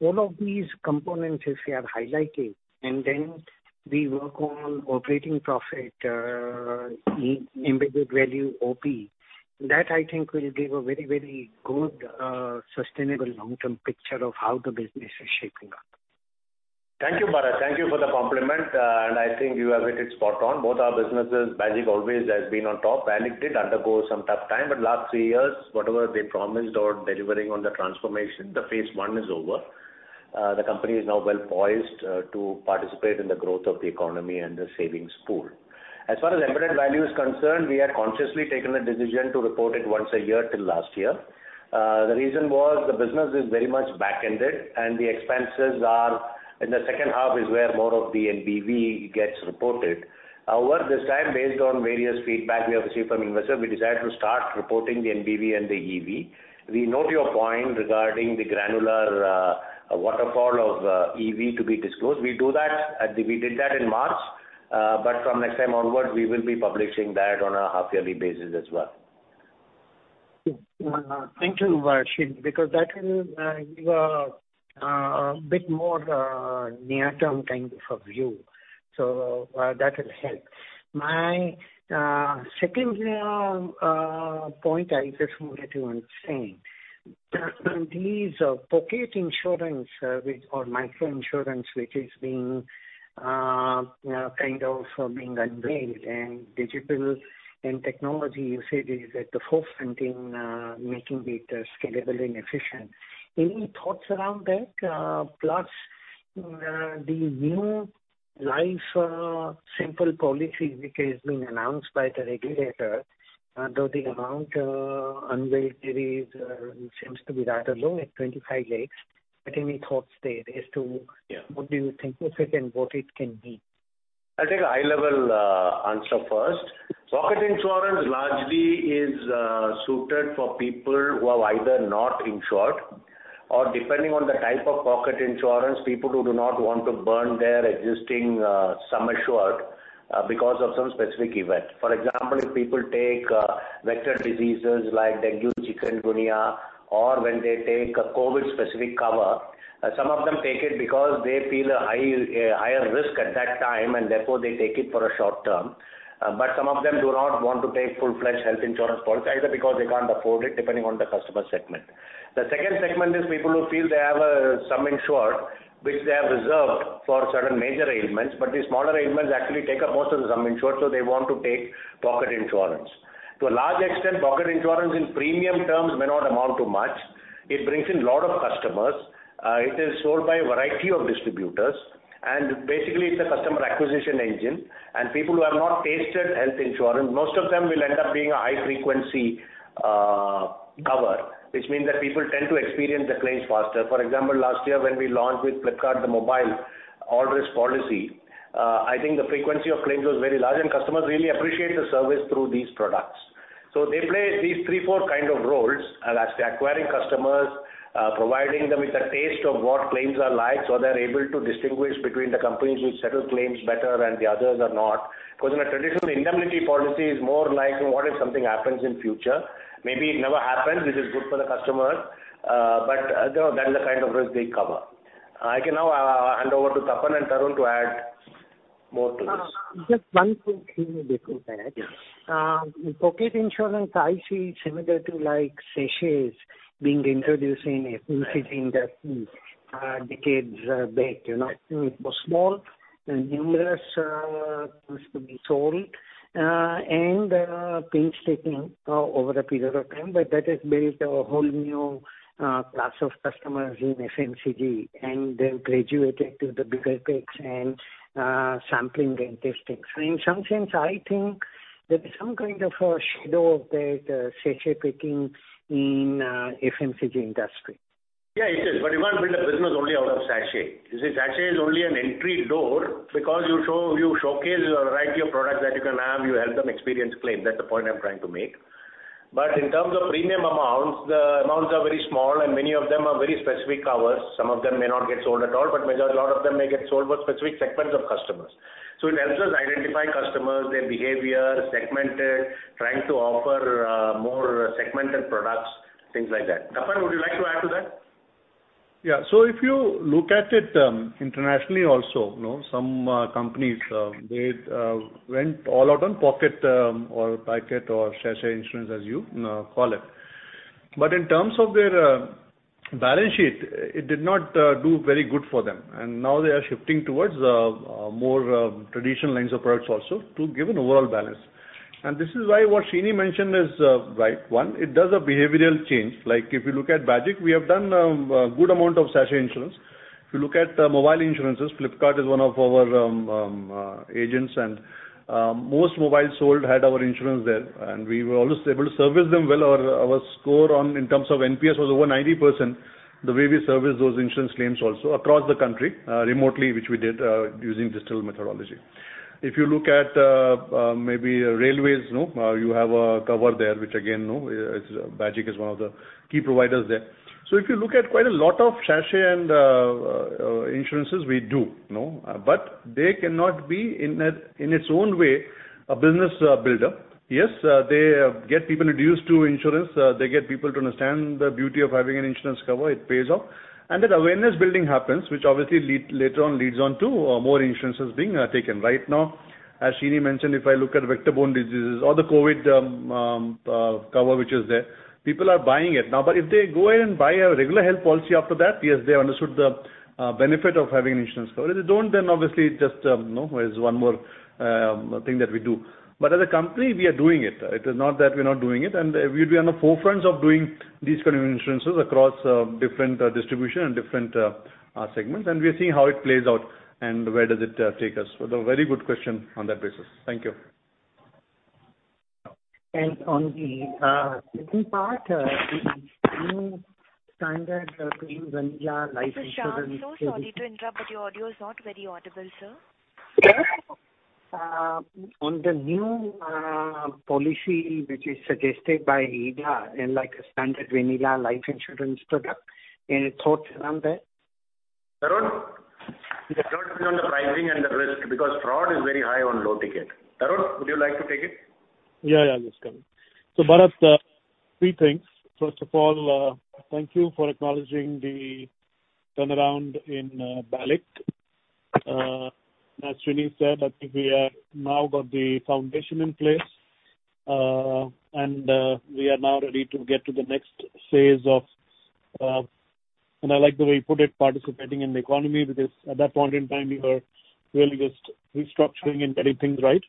All of these components if we are highlighting and then we work on operating profit, Embedded Value OP. That I think will give a very good sustainable long-term picture of how the business is shaping up. Thank you, Bharat. Thank you for the compliment. I think you have hit it spot on. Both our businesses, BAGIC always has been on top. BALIC did undergo some tough time. Last three years, whatever they promised on delivering on the transformation, the phase one is over. The company is now well-poised to participate in the growth of the economy and the savings pool. As far as Embedded Value is concerned, we had consciously taken a decision to report it once a year till last year. The reason was the business is very much back-ended and the expenses are in the second half is where more of the NBV gets reported. However, this time, based on various feedback we have received from investors, we decided to start reporting the NBV and the EV. We note your point regarding the granular waterfall of EV to be disclosed. We did that in March but from next time onwards we will be publishing that on a half-yearly basis as well. Thank you, Sreeni, because that will give a bit more near-term kind of view. That will help. My secondary point I just wanted to say. These pocket insurance or micro-insurance which is being unveiled and digital and technology usage is at the forefront in making it scalable and efficient. Any thoughts around that? The new life simple policy which has been announced by the regulator, though the amount unveiled there seems to be rather low at 25 lakhs, but any thoughts there as to Yeah. What do you think of it and what it can be? I'll take a high-level answer first. Pocket insurance largely is suited for people who are either not insured or depending on the type of pocket insurance, people who do not want to burn their existing sum insured because of some specific event. For example, if people take vector diseases like dengue, chikungunya or when they take a COVID-specific cover. Some of them take it because they feel a higher risk at that time and therefore they take it for a short term. Some of them do not want to take full-fledged health insurance policy either because they can't afford it depending on the customer segment. The second segment is people who feel they have a sum insured which they have reserved for certain major ailments, but these smaller ailments actually take up most of the sum insured so they want to take pocket insurance. To a large extent, pocket insurance in premium terms may not amount to much. It brings in a lot of customers. Basically, it's a customer acquisition engine. People who have not tasted health insurance, most of them will end up being a high-frequency cover, which means that people tend to experience the claims faster. For example, last year when we launched with Flipkart the mobile all-risk policy, I think the frequency of claims was very large. Customers really appreciate the service through these products. They play these three, four kind of roles. That's acquiring customers, providing them with a taste of what claims are like. They're able to distinguish between the companies which settle claims better and the others are not. In a traditional indemnity policy, it's more like what if something happens in future, maybe it never happens, which is good for the customer, but that's the kind of risk they cover. I can now hand over to Tapan and Tarun to add more to this. Just one quick thing I would like to add. Yeah. Pocket insurance I see similar to sachets being introduced in FMCG industry decades back. It was small and numerous, used to be sold, and pinch-hitting over a period of time, but that has built a whole new class of customers in FMCG, and they've graduated to the bigger packs and sampling their instincts. In some sense, I think there's some kind of a shadow of that sachet picking in FMCG industry. Yeah, it is. You can't build a business only out of sachet. You see, sachet is only an entry door because you showcase a variety of products that you can have. You help them experience claims. That's the point I'm trying to make. In terms of premium amounts, the amounts are very small and many of them are very specific covers. Some of them may not get sold at all, but a lot of them may get sold for specific segments of customers. It helps us identify customers, their behavior, segmented, trying to offer more segmented products, things like that. Tapan, would you like to add to that? Yeah. If you look at it internationally also, some companies they went all out on pocket or packet or sachet insurance as you call it. In terms of their balance sheet, it did not do very good for them, and now they are shifting towards more traditional lines of products also to give an overall balance. This is why what Sreeni mentioned is right. One, it does a behavioral change. If you look at Bajaj, we have done a good amount of sachet insurance. If you look at mobile insurances, Flipkart is one of our agents, and most mobiles sold had our insurance there, and we were always able to service them well. Our score in terms of NPS was over 90%. The way we service those insurance claims also across the country, remotely, which we did using digital methodology. If you look at maybe railways, you have a cover there, which again, Bajaj is one of the key providers there. If you look at quite a lot of sachet insurances, we do. They cannot be in its own way, a business builder. Yes, they get people reduced to insurance. They get people to understand the beauty of having an insurance cover. It pays off. That awareness building happens, which obviously later on leads on to more insurances being taken. Right now, as Sreeni mentioned, if I look at vector-borne diseases or the COVID cover which is there, people are buying it now. If they go ahead and buy a regular health policy after that, yes, they understood the benefit of having an insurance cover. If they don't, obviously just there's one more thing that we do. As a company, we are doing it. It is not that we're not doing it, and we'll be on the forefront of doing these kind of insurances across different distribution and different segments, and we are seeing how it plays out and where does it take us. A very good question on that basis. Thank you. On the second part, the new standard premium vanilla life insurance. Mr. Shah, so sorry to interrupt, but your audio is not very audible, sir. On the new policy which is suggested by IRDAI and like a standard vanilla life insurance product, any thoughts around that? Tarun. Tarun is on the pricing and the risk because fraud is very high on low ticket. Tarun, would you like to take it? Yeah. Just coming. Bharat, three things. First of all, thank you for acknowledging the turnaround in BALIC. As Sreeni said, I think we have now got the foundation in place. I like the way you put it, participating in the economy, because at that point in time, we were really just restructuring and getting things right.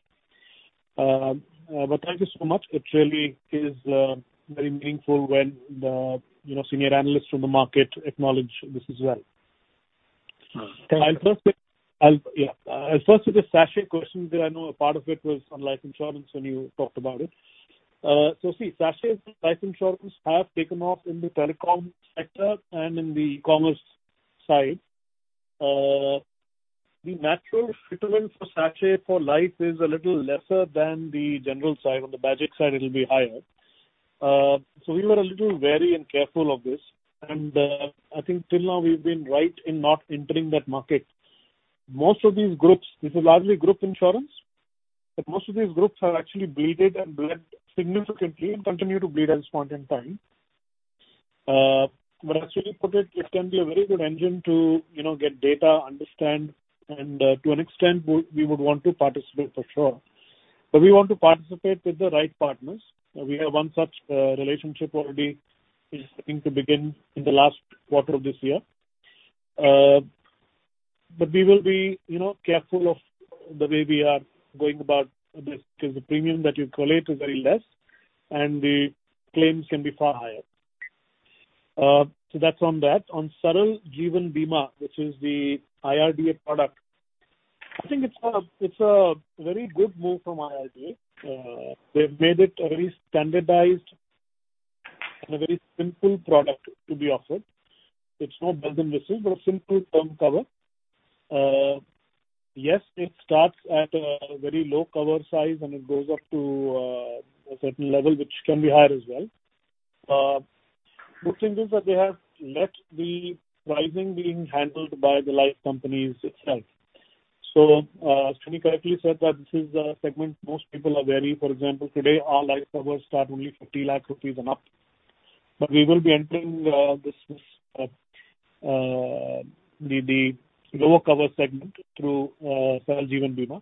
Thank you so much. It really is very meaningful when senior analysts from the market acknowledge this as well. I'll first take the sachet question there. I know a part of it was on life insurance when you talked about it. See, sachets life insurance have taken off in the telecom sector and in the commerce side. The natural fitment for sachet for life is a little lesser than the general side. On the Bajaj side, it'll be higher. We were a little wary and careful of this, and I think till now we've been right in not entering that market. Most of these groups, this is largely group insurance, but most of these groups have actually bleeded and bled significantly and continue to bleed at this point in time. As Sreeni put it can be a very good engine to get data, understand, and to an extent, we would want to participate for sure. We want to participate with the right partners. We have one such relationship already, which is looking to begin in the last quarter of this year. We will be careful of the way we are going about this because the premium that you collate is very less, and the claims can be far higher. That's on that. On Saral Jeevan Bima, which is the IRDAI product, I think it's a very good move from IRDAI. They've made it a very standardized and a very simple product to be offered. It's not bells and whistles but a simple term cover. Yes, it starts at a very low cover size and it goes up to a certain level which can be higher as well. Good thing is that they have let the pricing being handled by the life companies itself. Sreeni correctly said that this is a segment most people are wary. For example, today our life covers start only 50 lakhs rupees and up. We will be entering the lower cover segment through Saral Jeevan Bima.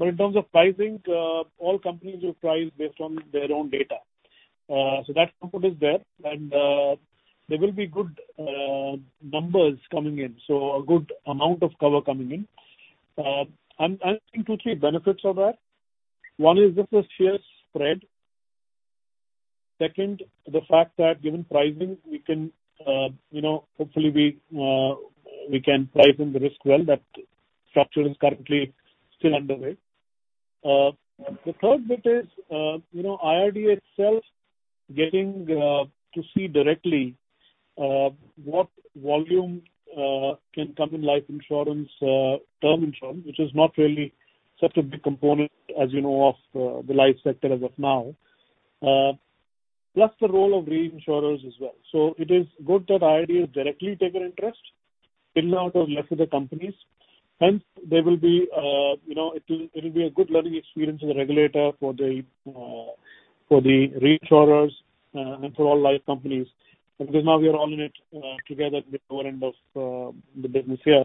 In terms of pricing, all companies will price based on their own data. That comfort is there and there will be good numbers coming in, a good amount of cover coming in. I'm seeing two, three benefits of that. One is just a sheer spread. Second, the fact that given pricing, hopefully we can price in the risk well. That structure is currently still underway. The third bit is IRDAI itself getting to see directly what volume can come in life insurance, term insurance, which is not really such a big component as you know of the life sector as of now. Plus the role of reinsurers as well. It is good that IRDAI directly take an interest in and out of lesser the companies. Hence, it'll be a good learning experience for the regulator, for the reinsurers, and for all life companies because now we are all in it together at the lower end of the business here.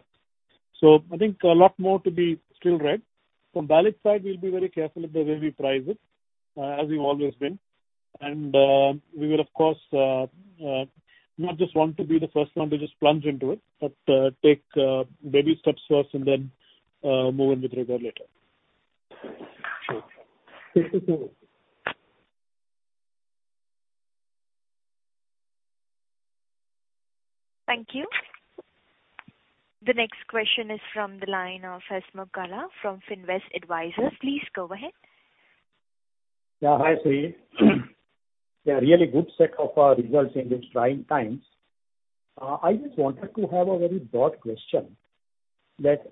I think a lot more to be still read. From BALIC side, we'll be very careful of the way we price it as we've always been. We would, of course, not just want to be the first one to just plunge into it, but take baby steps first and then move in with rigor later. Sure. Thank you. The next question is from the line of Hasmukh Gala from Finvest Advisors. Please go ahead. Yeah. Hi, Sreeni. Yeah, really good set of results in these trying times. I just wanted to have a very broad question that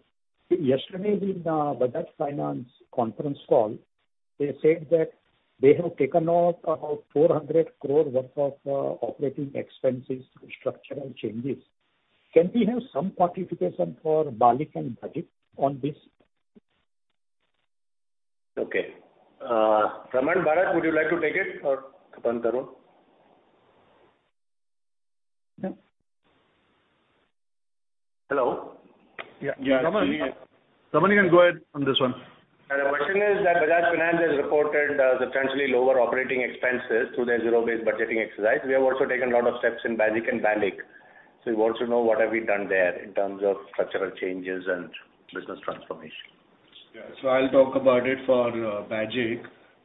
yesterday in the Bajaj Finance conference call, they said that they have taken out about 400 crores worth of operating expenses, structural changes. Can we have some quantification for BAGIC and BALIC on this? Okay. Raman, Bharat, would you like to take it or Tapan, Tarun? Hello. Yeah. Raman, you can go ahead on this one. The question is that Bajaj Finance has reported substantially lower operating expenses through their zero-based budgeting exercise. We have also taken a lot of steps in BAGIC and BALIC. We want to know what have we done there in terms of structural changes and business transformation. Yeah. I'll talk about it for BAGIC.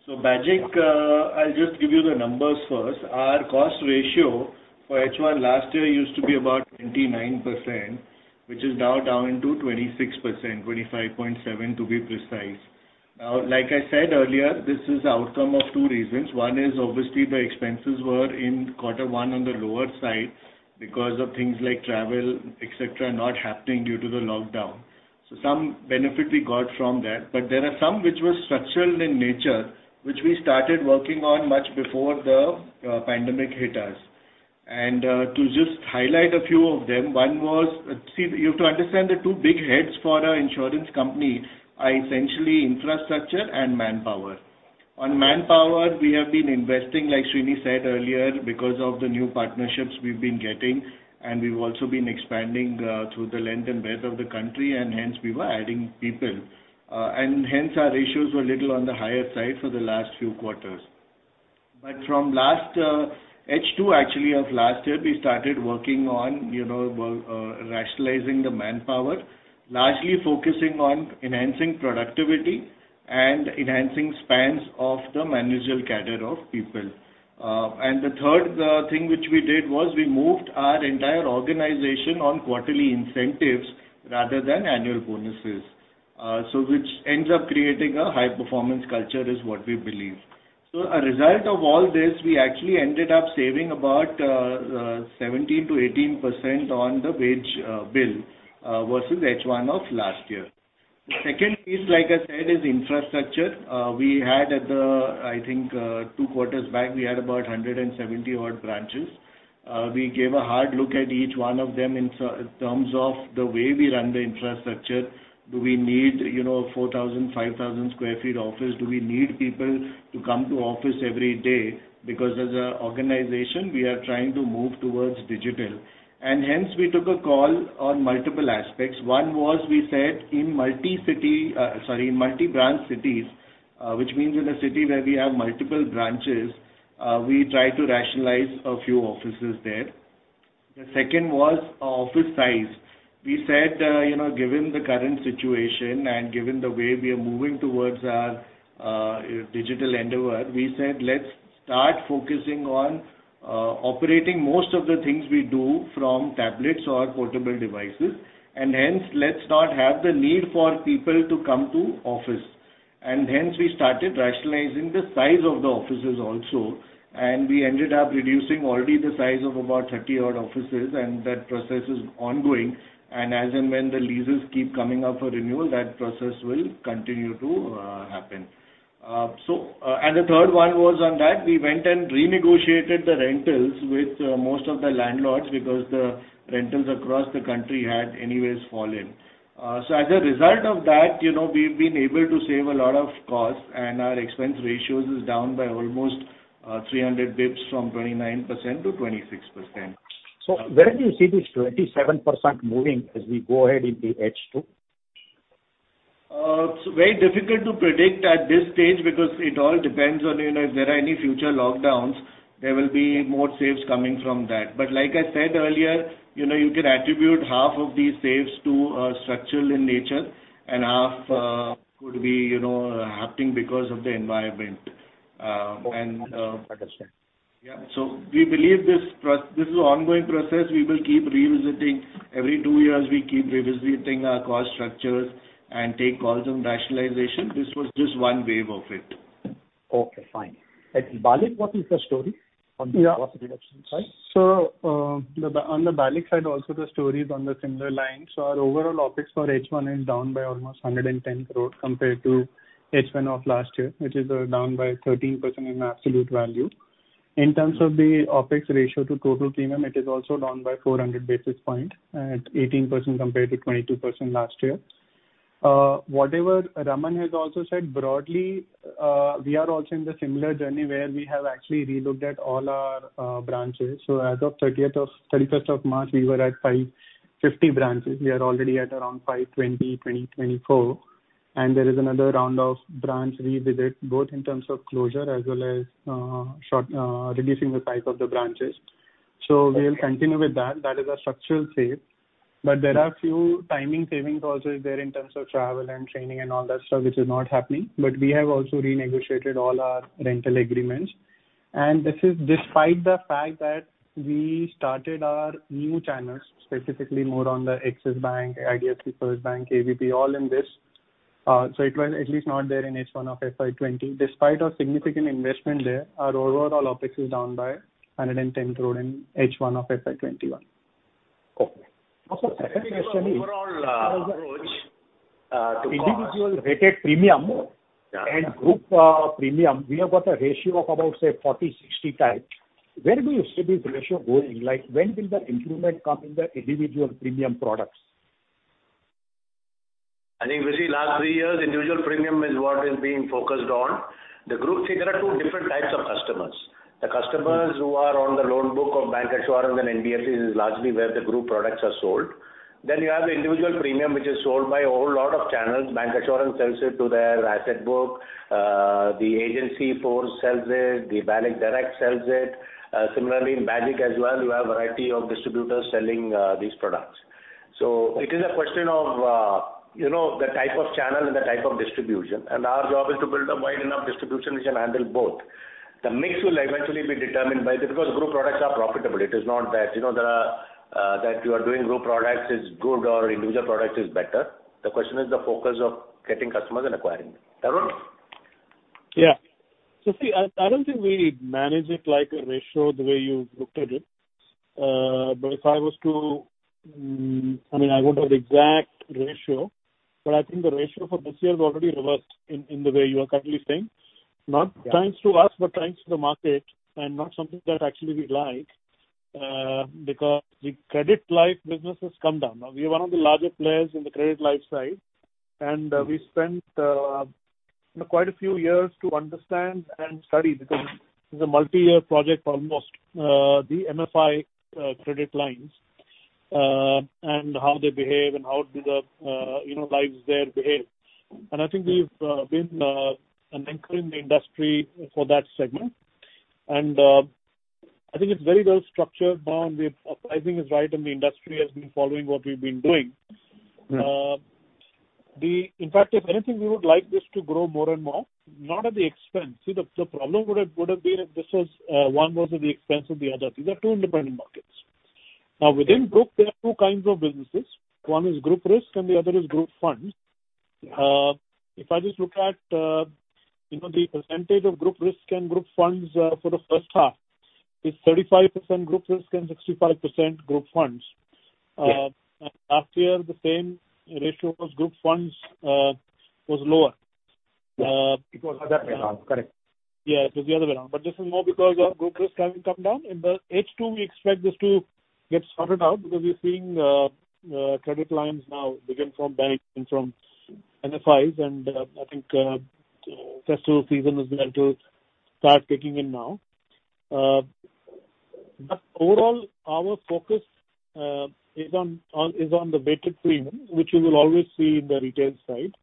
BAGIC, I'll just give you the numbers first. Our cost ratio for H1 last year used to be about 29%, which is now down to 26%, 25.7% to be precise. Like I said earlier, this is outcome of two reasons. One is obviously the expenses were in Q1 on the lower side because of things like travel, et cetera, not happening due to the lockdown. Some benefit we got from that. There are some which were structural in nature, which we started working on much before the pandemic hit us. To just highlight a few of them, one was. See, you have to understand the two big heads for a insurance company are essentially infrastructure and manpower. On manpower, we have been investing, like Sreeni said earlier because of the new partnerships we've been getting, and we've also been expanding through the length and breadth of the country, and hence we were adding people. Hence our ratios were little on the higher side for the last few quarters. From H2 actually of last year, we started working on rationalizing the manpower, largely focusing on enhancing productivity and enhancing spans of the managerial cadre of people. The third thing which we did was we moved our entire organization on quarterly incentives rather than annual bonuses. Which ends up creating a high-performance culture is what we believe. A result of all this, we actually ended up saving about 17%-18% on the wage bill versus H1 of last year. The second piece, like I said, is infrastructure. I think two quarters back, we had about 170 odd branches. We gave a hard look at each one of them in terms of the way we run the infrastructure. Do we need 4,000, 5,000 sq ft office? Do we need people to come to office every day? As an organization, we are trying to move towards digital. Hence we took a call on multiple aspects. One was we said in multi-branch cities In a city where we have multiple branches, we try to rationalize a few offices there. The second was office size. We said, given the current situation and given the way we are moving towards our digital endeavor, we said let's start focusing on operating most of the things we do from tablets or portable devices, and hence let's not have the need for people to come to office. Hence we started rationalizing the size of the offices also, and we ended up reducing already the size of about 30 odd offices, and that process is ongoing. As and when the leases keep coming up for renewal, that process will continue to happen. The third one was on that we went and renegotiated the rentals with most of the landlords because the rentals across the country had anyways fallen. As a result of that, we've been able to save a lot of costs and our expense ratios is down by almost 300 basis points from 29%-26%. Where do you see this 27% moving as we go ahead into H2? It's very difficult to predict at this stage because it all depends on if there are any future lockdowns, there will be more saves coming from that. Like I said earlier, you can attribute half of these saves to structural in nature and half could be happening because of the environment. Understood. Yeah. We believe this is an ongoing process we will keep revisiting. Every two years, we keep revisiting our cost structures and take calls on rationalization. This was just one wave of it. Okay, fine. At BALIC, what is the story on the cost reduction side? On the BALIC side also the story is on the similar lines. Our overall OpEx for H1 is down by almost 110 crores compared to H1 of last year, which is down by 13% in absolute value. In terms of the OpEx ratio to total premium, it is also down by 400 basis points at 18% compared to 22% last year. Whatever Raman has also said, broadly, we are also in the similar journey where we have actually relooked at all our branches. As of 31st of March, we were at 550 branches. We are already at around 520, 524. There is another round of branch revisit, both in terms of closure as well as reducing the size of the branches. We'll continue with that. That is a structural save. There are few timing savings also there in terms of travel and training and all that stuff which is not happening. We have also renegotiated all our rental agreements. This is despite the fact that we started our new channels, specifically more on the Axis Bank, IDFC FIRST Bank, KVB, all in this. It was at least not there in H1 of FY 2020. Despite our significant investment there, our overall OpEx is down by 110 crores in H1 of FY 2021. Okay. Overall approach to Individual rated premium and group premium, we have got a ratio of about, say, 40, 60 type. Where do you see this ratio going? When will the improvement come in the individual premium products? I think we see last three years, individual premium is what is being focused on. See, there are two different types of customers. The customers who are on the loan book of bancassurance and NBFCs is largely where the group products are sold. You have the individual premium, which is sold by a whole lot of channels. Bancassurance sells it to their asset book, the agency force sells it, the BALIC direct sells it. Similarly, in BALIC as well, you have a variety of distributors selling these products. It is a question of the type of channel and the type of distribution. Our job is to build a wide enough distribution which can handle both. The mix will eventually be determined because group products are profitable. It is not that you are doing group products is good or individual products is better. The question is the focus of getting customers and acquiring them. Tarun? Yeah. See, I don't think we manage it like a ratio the way you've looked at it. I mean, I won't have the exact ratio, but I think the ratio for this year is already reversed in the way you are currently saying. Not thanks to us, but thanks to the market and not something that actually we like because the credit life business has come down. Now, we are one of the larger players in the credit life side, and we spent quite a few years to understand and study because this is a multi-year project almost, the MFI credit lines and how they behave and how do the lives there behave. I think we've been an anchor in the industry for that segment. I think it's very well structured now and the pricing is right and the industry has been following what we've been doing. Yeah. In fact, if anything, we would like this to grow more and more, not at the expense. The problem would have been if one was at the expense of the other. These are two independent markets. Within group, there are two kinds of businesses. One is group risk and the other is group funds. Yeah. If I just look at the percentage of group risk and group funds for the first half, it's 35% group risk and 65% group funds. Yeah. Last year the same ratio of group funds was lower. It was other way around. Correct. Yeah, it was the other way around. This is more because our group risk having come down. In the H2, we expect this to get sorted out because we're seeing credit lines now begin from banks and from MFIs and I think festival season is going to start kicking in now. Overall, our focus is on the weighted premium, which you will always see in the retail side.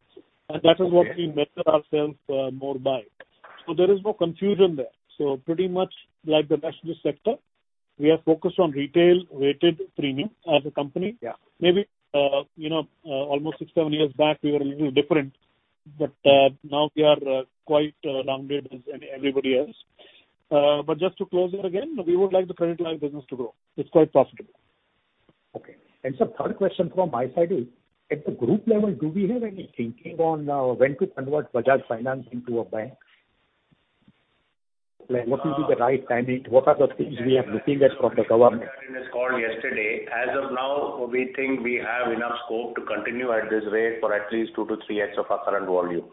Okay. That is what we measure ourselves more by. There is no confusion there. Pretty much like the rest of the sector, we are focused on retail-weighted premium as a company. Yeah. Maybe almost six, seven years back, we were a little different, but now we are quite rounded as everybody else. Just to close it again, we would like the credit life business to grow. It's quite profitable. Okay. Sir, third question from my side is, at the group level, do we have any thinking on when to convert Bajaj Finance into a bank? What will be the right timing? What are the things we are looking at from the government? In this call yesterday, as of now, we think we have enough scope to continue at this rate for at least two to three years of our current volume.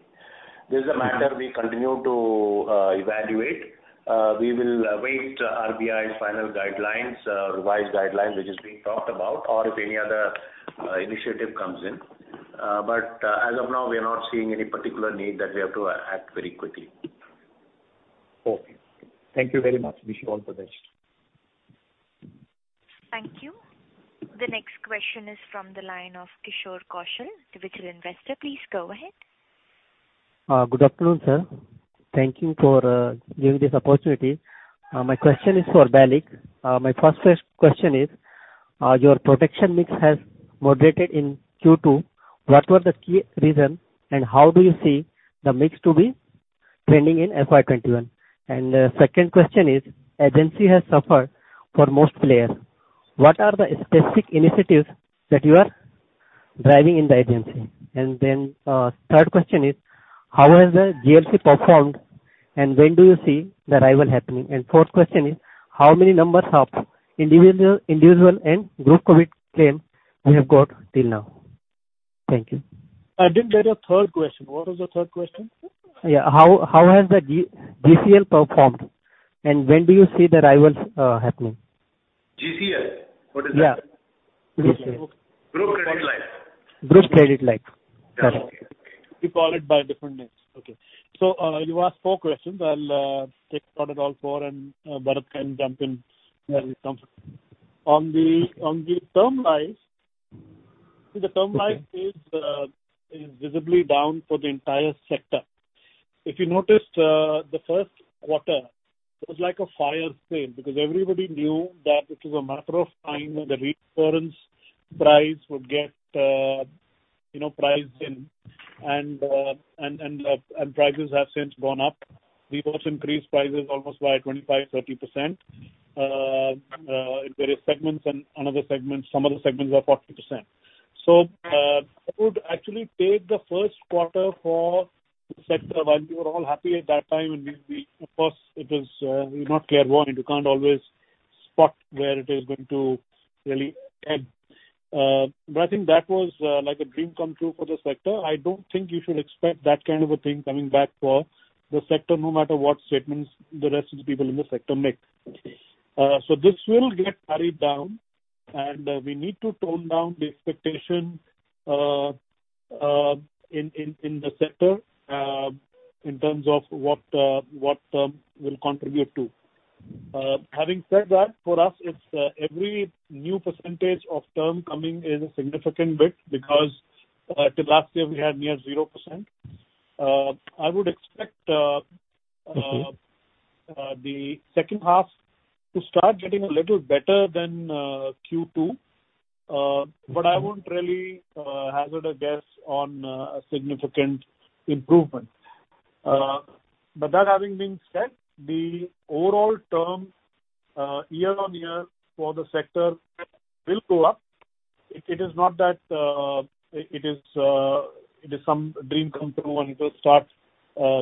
This is a matter we continue to evaluate. We will await RBI's final guidelines, revised guidelines, which is being talked about or if any other initiative comes in. As of now, we are not seeing any particular need that we have to act very quickly. Okay. Thank you very much. Wish you all the best. Thank you. The next question is from the line of Kishore Kaushal, individual investor. Please go ahead. Good afternoon, sir. Thank you for giving this opportunity. My question is for Bharat. My first question is, your protection mix has moderated in Q2. What were the key reasons, and how do you see the mix to be trending in FY 2021? The second question is, agency has suffered for most players. What are the specific initiatives that you are driving in the agency? Then third question is, how has the GCL performed, and when do you see the arrival happening? Fourth question is, how many numbers of individual and group claim we have got till now? Thank you. I didn't get your third question. What was the third question? Yeah. How has the GCL performed, and when do you see the arrivals happening? GCL. What is that? Yeah. GCL. Group Credit Life. Group Credit Life. Sorry. Okay. We call it by different names. Okay. You asked four questions. I'll take a shot at all four, and Bharat can jump in where it comes. On the term life, see the term life is visibly down for the entire sector. If you noticed the first quarter, it was like a fire sale because everybody knew that it was a matter of time when the reinsurance price would get priced in and prices have since gone up. We've also increased prices almost by 25%, 30% in various segments and some other segments are 40%. I would actually take the first quarter for the sector while we were all happy at that time and we. Of course, it is not clear one. You can't always spot where it is going to really end. I think that was like a dream come true for the sector. I don't think you should expect that kind of a thing coming back for the sector no matter what statements the rest of the people in the sector make. Okay. This will get carried down, and we need to tone down the expectation in the sector in terms of what term will contribute to. Having said that, for us, every new percentage of term coming is a significant bit because till last year we had near 0%. I won't really hazard a guess on a significant improvement. That having been said, the overall term year-on-year for the sector will go up. It is not that it is some dream come true and it will start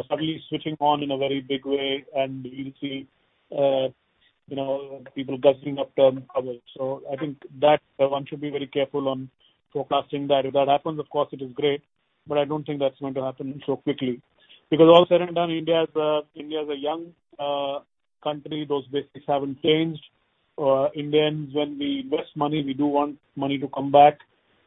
suddenly switching on in a very big way and we'll see people guzzling up term covers. I think that one should be very careful on forecasting that. If that happens, of course, it is great, but I don't think that's going to happen so quickly. Because all said and done, India is a young country. Those basics haven't changed. Indians, when we invest money, we do want money to come back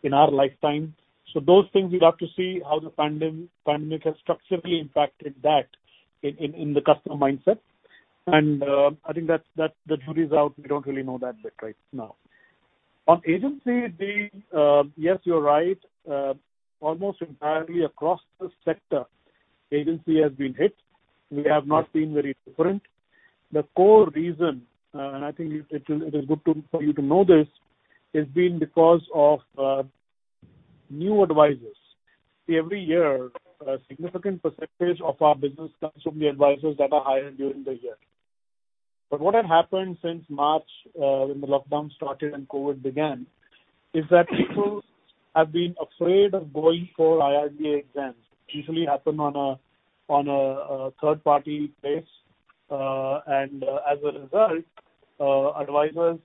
in our lifetime. Those things we'd have to see how the pandemic has structurally impacted that in the customer mindset. I think that the jury's out. We don't really know that bit right now. On agency, yes, you're right. Almost entirely across the sector, agency has been hit. We have not been very different. The core reason, and I think it is good for you to know this, has been because of new advisors. See every year, a significant percentage of our business comes from the advisors that are hired during the year. What had happened since March when the lockdown started and COVID began, is that people have been afraid of going for IRDAI exams. Usually happen on a third-party base and as a result, advisors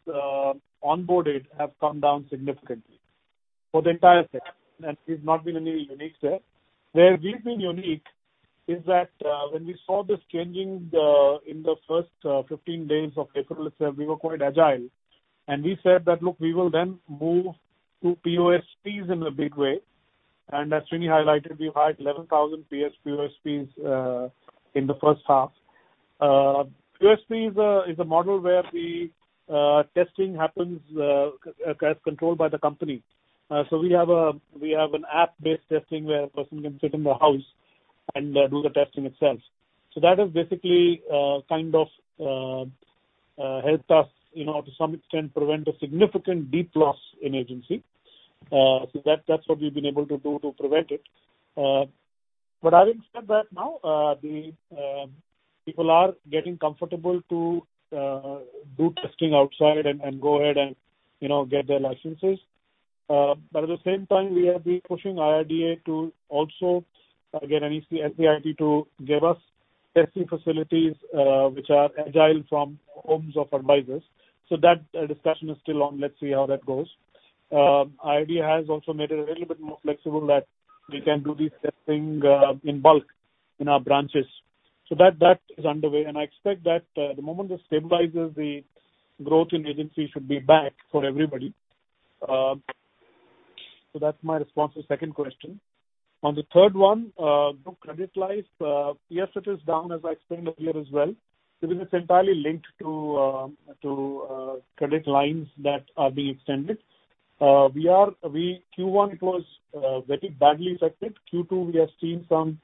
onboarded have come down significantly for the entire sector and we've not been any unique there. Where we've been unique is that when we saw this changing in the first 15 days of April itself, we were quite agile and we said that, "Look, we will then move to POSPs in a big way." As Sreeni highlighted, we had 11,000 POSPs in the first half. POSP is a model where the testing happens controlled by the company. We have an app-based testing where a person can sit in the house and do the testing itself. That has basically helped us, to some extent, prevent a significant deep loss in agency. That's what we've been able to do to prevent it. Having said that, now the people are getting comfortable to do testing outside and go ahead and get their licenses. At the same time, we have been pushing IRDAI to also get NSEIT to give us testing facilities which are agile from homes of advisors. That discussion is still on. Let's see how that goes. IRDAI has also made it a little bit more flexible that we can do the testing in bulk in our branches. That is underway, and I expect that the moment this stabilizes, the growth in agency should be back for everybody. That's my response to the second question. The third one, book credit life, yes, it is down as I explained earlier as well, because it's entirely linked to credit lines that are being extended. Q1 it was very badly affected. Q2, we have seen some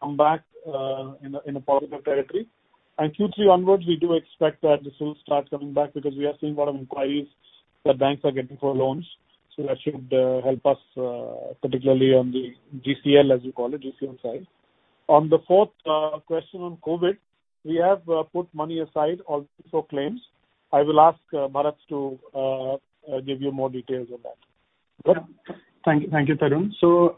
comeback in a positive territory. Q3 onwards, we do expect that this will start coming back because we are seeing a lot of inquiries that banks are getting for loans. That should help us, particularly on the GCL, as you call it, GCL side. On the fourth question on COVID, we have put money aside also for claims. I will ask Bharat to give you more details on that. Thank you, Tarun.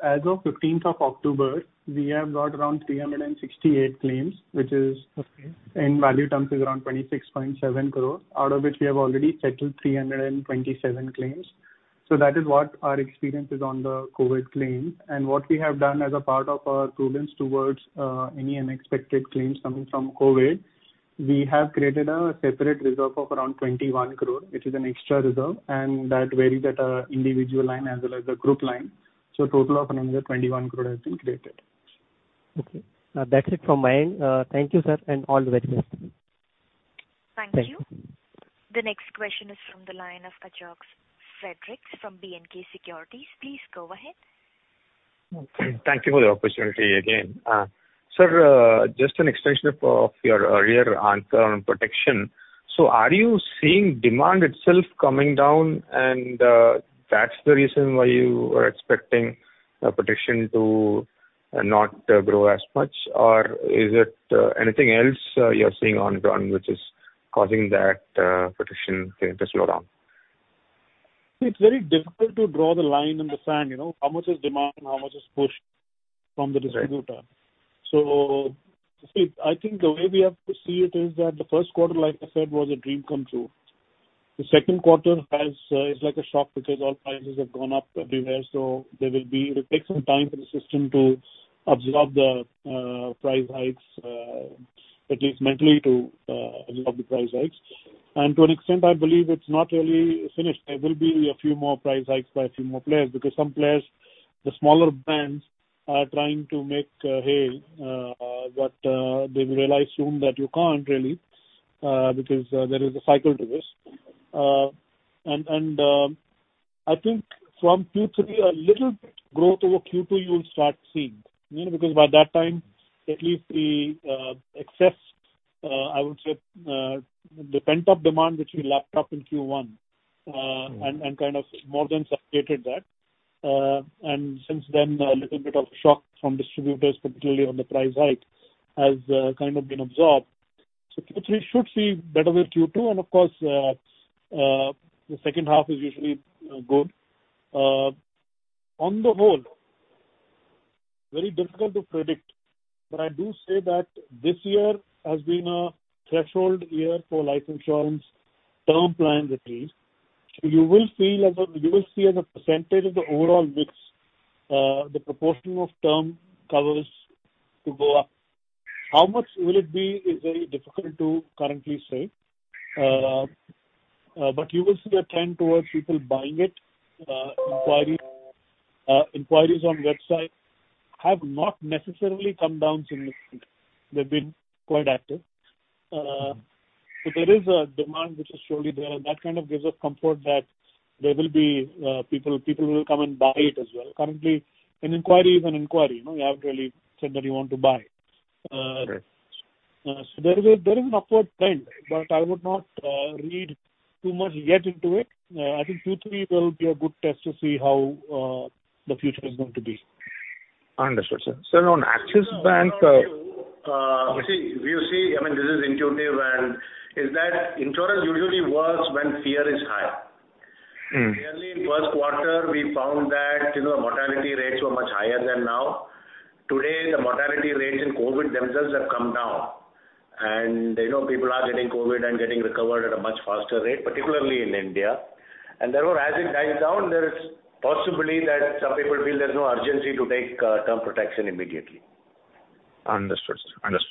As of 15th of October, we have got around 368 claims, which in value terms is around 26.7 crores, out of which we have already settled 327 claims. That is what our experience is on the COVID claims. What we have done as a part of our prudence towards any unexpected claims coming from COVID, we have created a separate reserve of around 21 crores, which is an extra reserve, that varies at our individual line as well as the group line. A total of another 21 crores has been created. Okay. That's it from my end. Thank you, sir, and all the very best. Thank you. The next question is from the line of Ajok Frederick from BNK Securities. Please go ahead. Thank you for the opportunity again. Sir, just an extension of your earlier answer on protection. Are you seeing demand itself coming down and that's the reason why you are expecting protection to not grow as much? Is it anything else you're seeing on the ground which is causing that protection to slow down? It's very difficult to draw the line in the sand. How much is demand, how much is push from the distributor? Right. I think the way we have to see it is that the first quarter, like I said, was a dream come true. The second quarter is like a shock because all prices have gone up everywhere. It will take some time for the system to absorb the price hikes, at least mentally to absorb the price hikes. And to an extent, I believe it is not really finished. There will be a few more price hikes by a few more players, because some players, the smaller brands, are trying to make hay. They will realize soon that you cannot really, because there is a cycle to this. I think from Q3, a little bit growth over Q2 you will start seeing. By that time, at least the excess, I would say, the pent-up demand which we lapped up in Q1 and more than satiated that. Since then, a little bit of shock from distributors, particularly on the price hike, has been absorbed. Q3 should see better with Q2, and of course, the second half is usually good. On the whole, very difficult to predict, but I do say that this year has been a threshold year for life insurance term plans at least. You will see as a percentage of the overall mix, the proportion of term covers to go up. How much will it be is very difficult to currently say. You will see a trend towards people buying it. Inquiries on website have not necessarily come down significantly. They've been quite active. There is a demand which is surely there, and that kind of gives us comfort that people will come and buy it as well. Currently, an inquiry is an inquiry. You haven't really said that you want to buy. Right. There is an upward trend, but I would not read too much yet into it. I think Q3 will be a good test to see how the future is going to be. Understood, sir. Sir, on Axis Bank Around you, we see, this is intuitive, and is that insurance usually works when fear is high. Clearly in first quarter, we found that mortality rates were much higher than now. Today, the mortality rates in COVID themselves have come down, people are getting COVID and getting recovered at a much faster rate, particularly in India. Therefore, as it dies down, there is possibility that some people feel there's no urgency to take term protection immediately. Understood,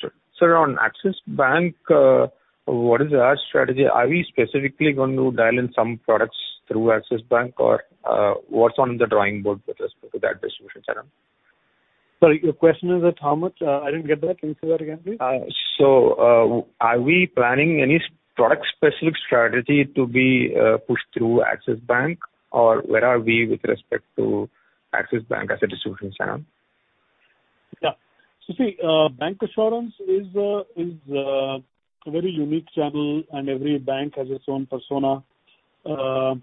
sir. Sir, on Axis Bank, what is our strategy? Are we specifically going to dial in some products through Axis Bank, or what's on the drawing board with respect to that distribution channel? Sorry, your question is that, how much? I didn't get that. Can you say that again, please? Are we planning any product-specific strategy to be pushed through Axis Bank, or where are we with respect to Axis Bank as a distribution channel? Yeah. Bank insurance is a very unique channel and every bank has its own persona. Our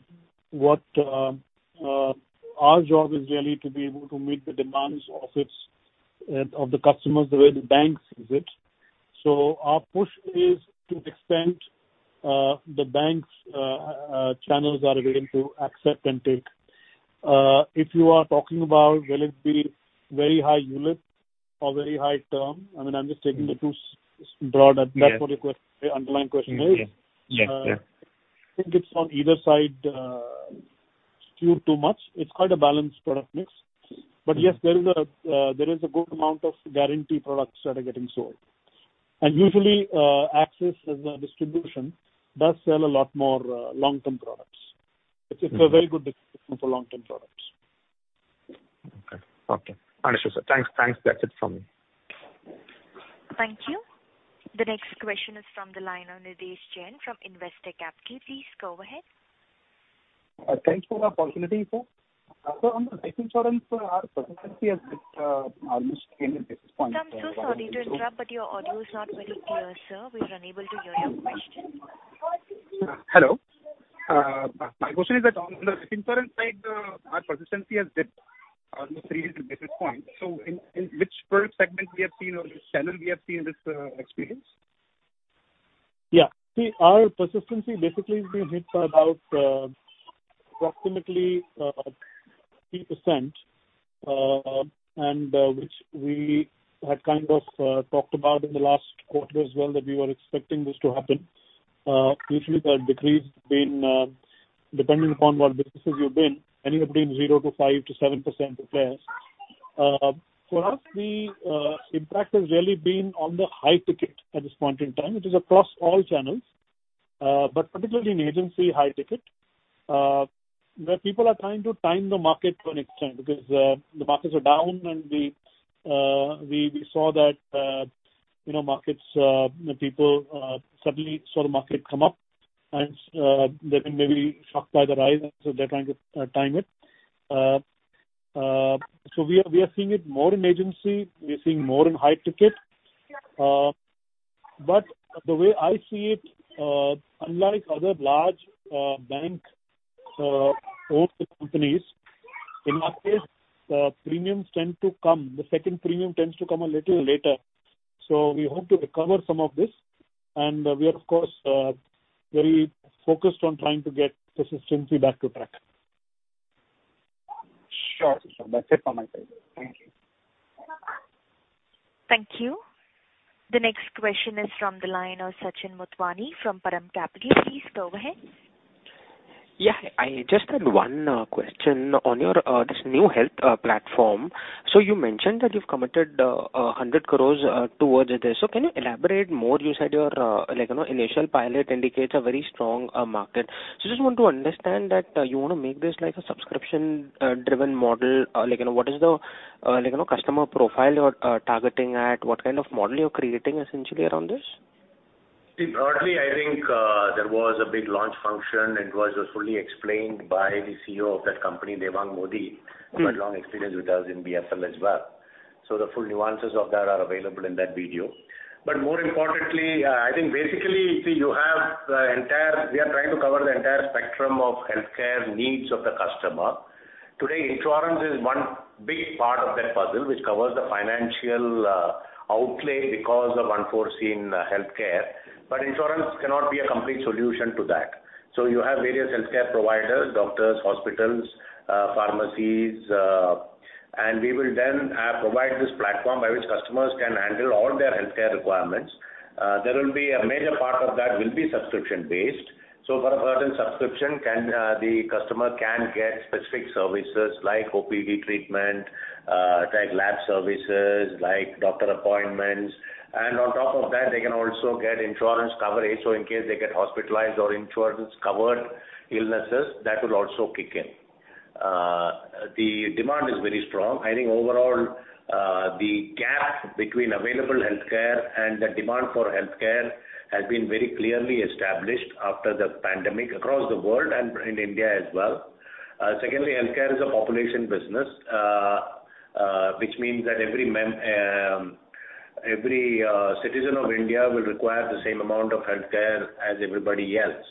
job is really to be able to meet the demands of the customers the way the banks use it. Our push is to the extent the bank's channels are willing to accept and take. If you are talking about will it be very high unit or very high term, if that's what your underlying question is. Yes. I think it's on either side skewed too much. It's quite a balanced product mix. Yes, there is a good amount of guarantee products that are getting sold. Usually, Axis as a distribution does sell a lot more long-term products. It's a very good distribution for long-term products. Okay. Understood, sir. Thanks. That's it from me. Thank you. The next question is from the line of Nidhesh Jain from Investec India. Please go ahead. Thanks for the opportunity. Sir, on the life insurance, our persistency has dipped almost 10 basis points. Sir, I'm so sorry to interrupt but your audio is not very clear, sir. We're unable to hear your question. Hello. My question is that on the life insurance side, our persistency has dipped almost three basis points. In which product segment we have seen or which channel we have seen this experience? Yeah. See, our persistency basically has been hit for about approximately 3%, which we had talked about in the last quarter as well that we were expecting this to happen. Usually, the decrease depending upon what businesses you're in, anywhere between 0%-5%-7% appears. For us, the impact has really been on the high ticket at this point in time. It is across all channels, but particularly in agency high ticket, where people are trying to time the market to an extent because the markets are down and we saw that people suddenly saw the market come up and they've been maybe shocked by the rise, so they're trying to time it. We are seeing it more in agency, we are seeing more in high ticket. The way I see it, unlike other large bank-owned companies, in our case, the second premium tends to come a little later. We hope to recover some of this, and we are of course very focused on trying to get persistency back to track. Sure. That's it from my side. Thank you. Thank you. The next question is from the line of Sachit Motwani from Param Capital. Please go ahead. Yeah. I just had one question on this new health platform. You mentioned that you've committed 100 crores towards this. Can you elaborate more? You said your initial pilot indicates a very strong market. I just want to understand that you want to make this a subscription-driven model. What is the customer profile you're targeting at? What kind of model you're creating essentially around this? Broadly, I think there was a big launch function and it was fully explained by the CEO of that company, Devang Mody, who had long experience with us in BFL as well. The full nuances of that are available in that video. More importantly, I think basically, we are trying to cover the entire spectrum of healthcare needs of the customer. Today, insurance is one big part of that puzzle, which covers the financial outlay because of unforeseen healthcare. Insurance cannot be a complete solution to that. You have various healthcare providers, doctors, hospitals, pharmacies, and we will then provide this platform by which customers can handle all their healthcare requirements. A major part of that will be subscription-based. For a certain subscription, the customer can get specific services like OPD, like lab services, like doctor appointments, and on top of that, they can also get insurance coverage. In case they get hospitalized or insurance-covered illnesses, that will also kick in. The demand is very strong. I think overall, the gap between available healthcare and the demand for healthcare has been very clearly established after the pandemic across the world and in India as well. Secondly, healthcare is a population business, which means that every citizen of India will require the same amount of healthcare as everybody else.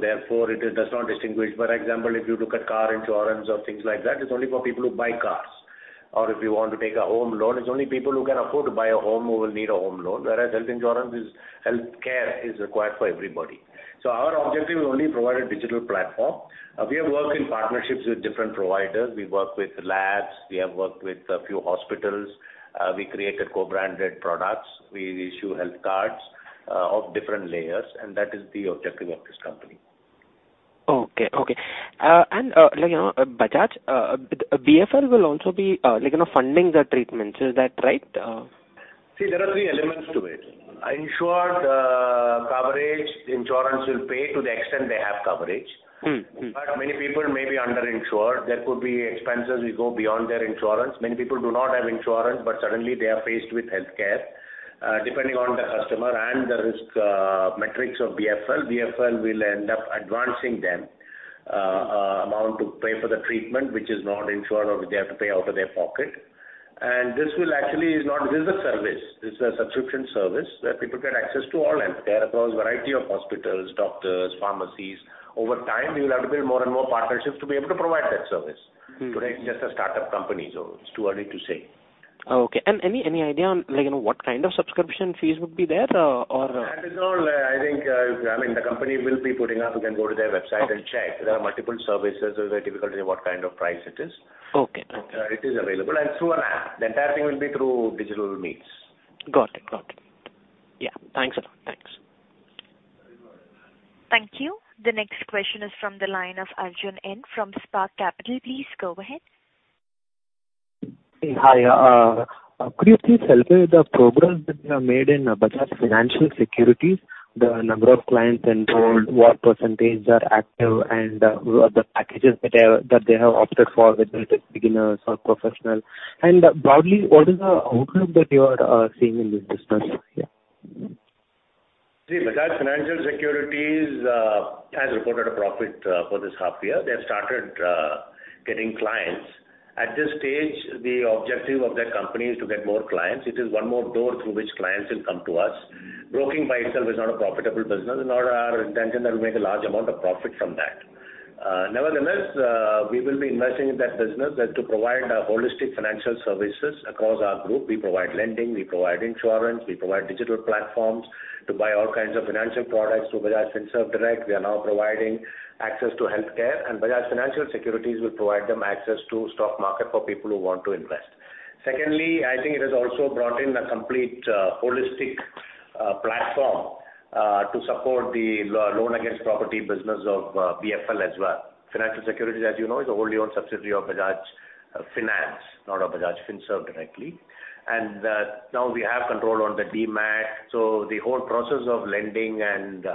Therefore, it does not distinguish. For example, if you look at car insurance or things like that, it's only for people who buy cars. If you want to take a home loan, it's only people who can afford to buy a home who will need a home loan. Health insurance is healthcare is required for everybody. Our objective, we only provide a digital platform. We have worked in partnerships with different providers. We work with labs, we have worked with a few hospitals. We created co-branded products. We issue health cards of different layers, and that is the objective of this company. Okay. Bajaj, BFL will also be funding the treatments. Is that right? See, there are three elements to it. Insured coverage insurance will pay to the extent they have coverage. Many people may be under-insured. There could be expenses will go beyond their insurance. Many people do not have insurance, suddenly they are faced with healthcare. Depending on the customer and the risk metrics of BFL will end up advancing them amount to pay for the treatment, which is not insured or which they have to pay out of their pocket. This is a service. This is a subscription service where people get access to all healthcare across a variety of hospitals, doctors, pharmacies. Over time, we will have to build more and more partnerships to be able to provide that service. Today, it's just a startup company, so it's too early to say. Okay. Any idea on what kind of subscription fees would be there? That is all, I think, the company will be putting up. You can go to their website and check. Okay. There are multiple services, so it's very difficult to say what kind of price it is. Okay. It is available and through an app. The entire thing will be through digital means. Got it. Yeah. Thanks a lot. Thank you. The next question is from the line of Arjun N from Spark Capital. Please go ahead. Hi. Could you please elaborate the progress that you have made in Bajaj Financial Securities, the number of clients enrolled, what percentage are active, and the packages that they have opted for, whether it is beginners or professional? Broadly, what is the outlook that you are seeing in this business? Bajaj Financial Securities has reported a profit for this half year. They have started getting clients. At this stage, the objective of that company is to get more clients. It is one more door through which clients will come to us. Broking by itself is not a profitable business, it's not our intention that we make a large amount of profit from that. Nevertheless, we will be investing in that business and to provide holistic financial services across our group. We provide lending, we provide insurance, we provide digital platforms to buy all kinds of financial products through Bajaj Finserv direct. We are now providing access to healthcare, and Bajaj Financial Securities will provide them access to stock market for people who want to invest. Secondly, I think it has also brought in a complete holistic platform to support the loan against property business of BFL as well. Financial Securities, as you know, is a wholly owned subsidiary of Bajaj Finance, not of Bajaj Finserv directly. Now we have control on the DEMAT, so the whole process of lending and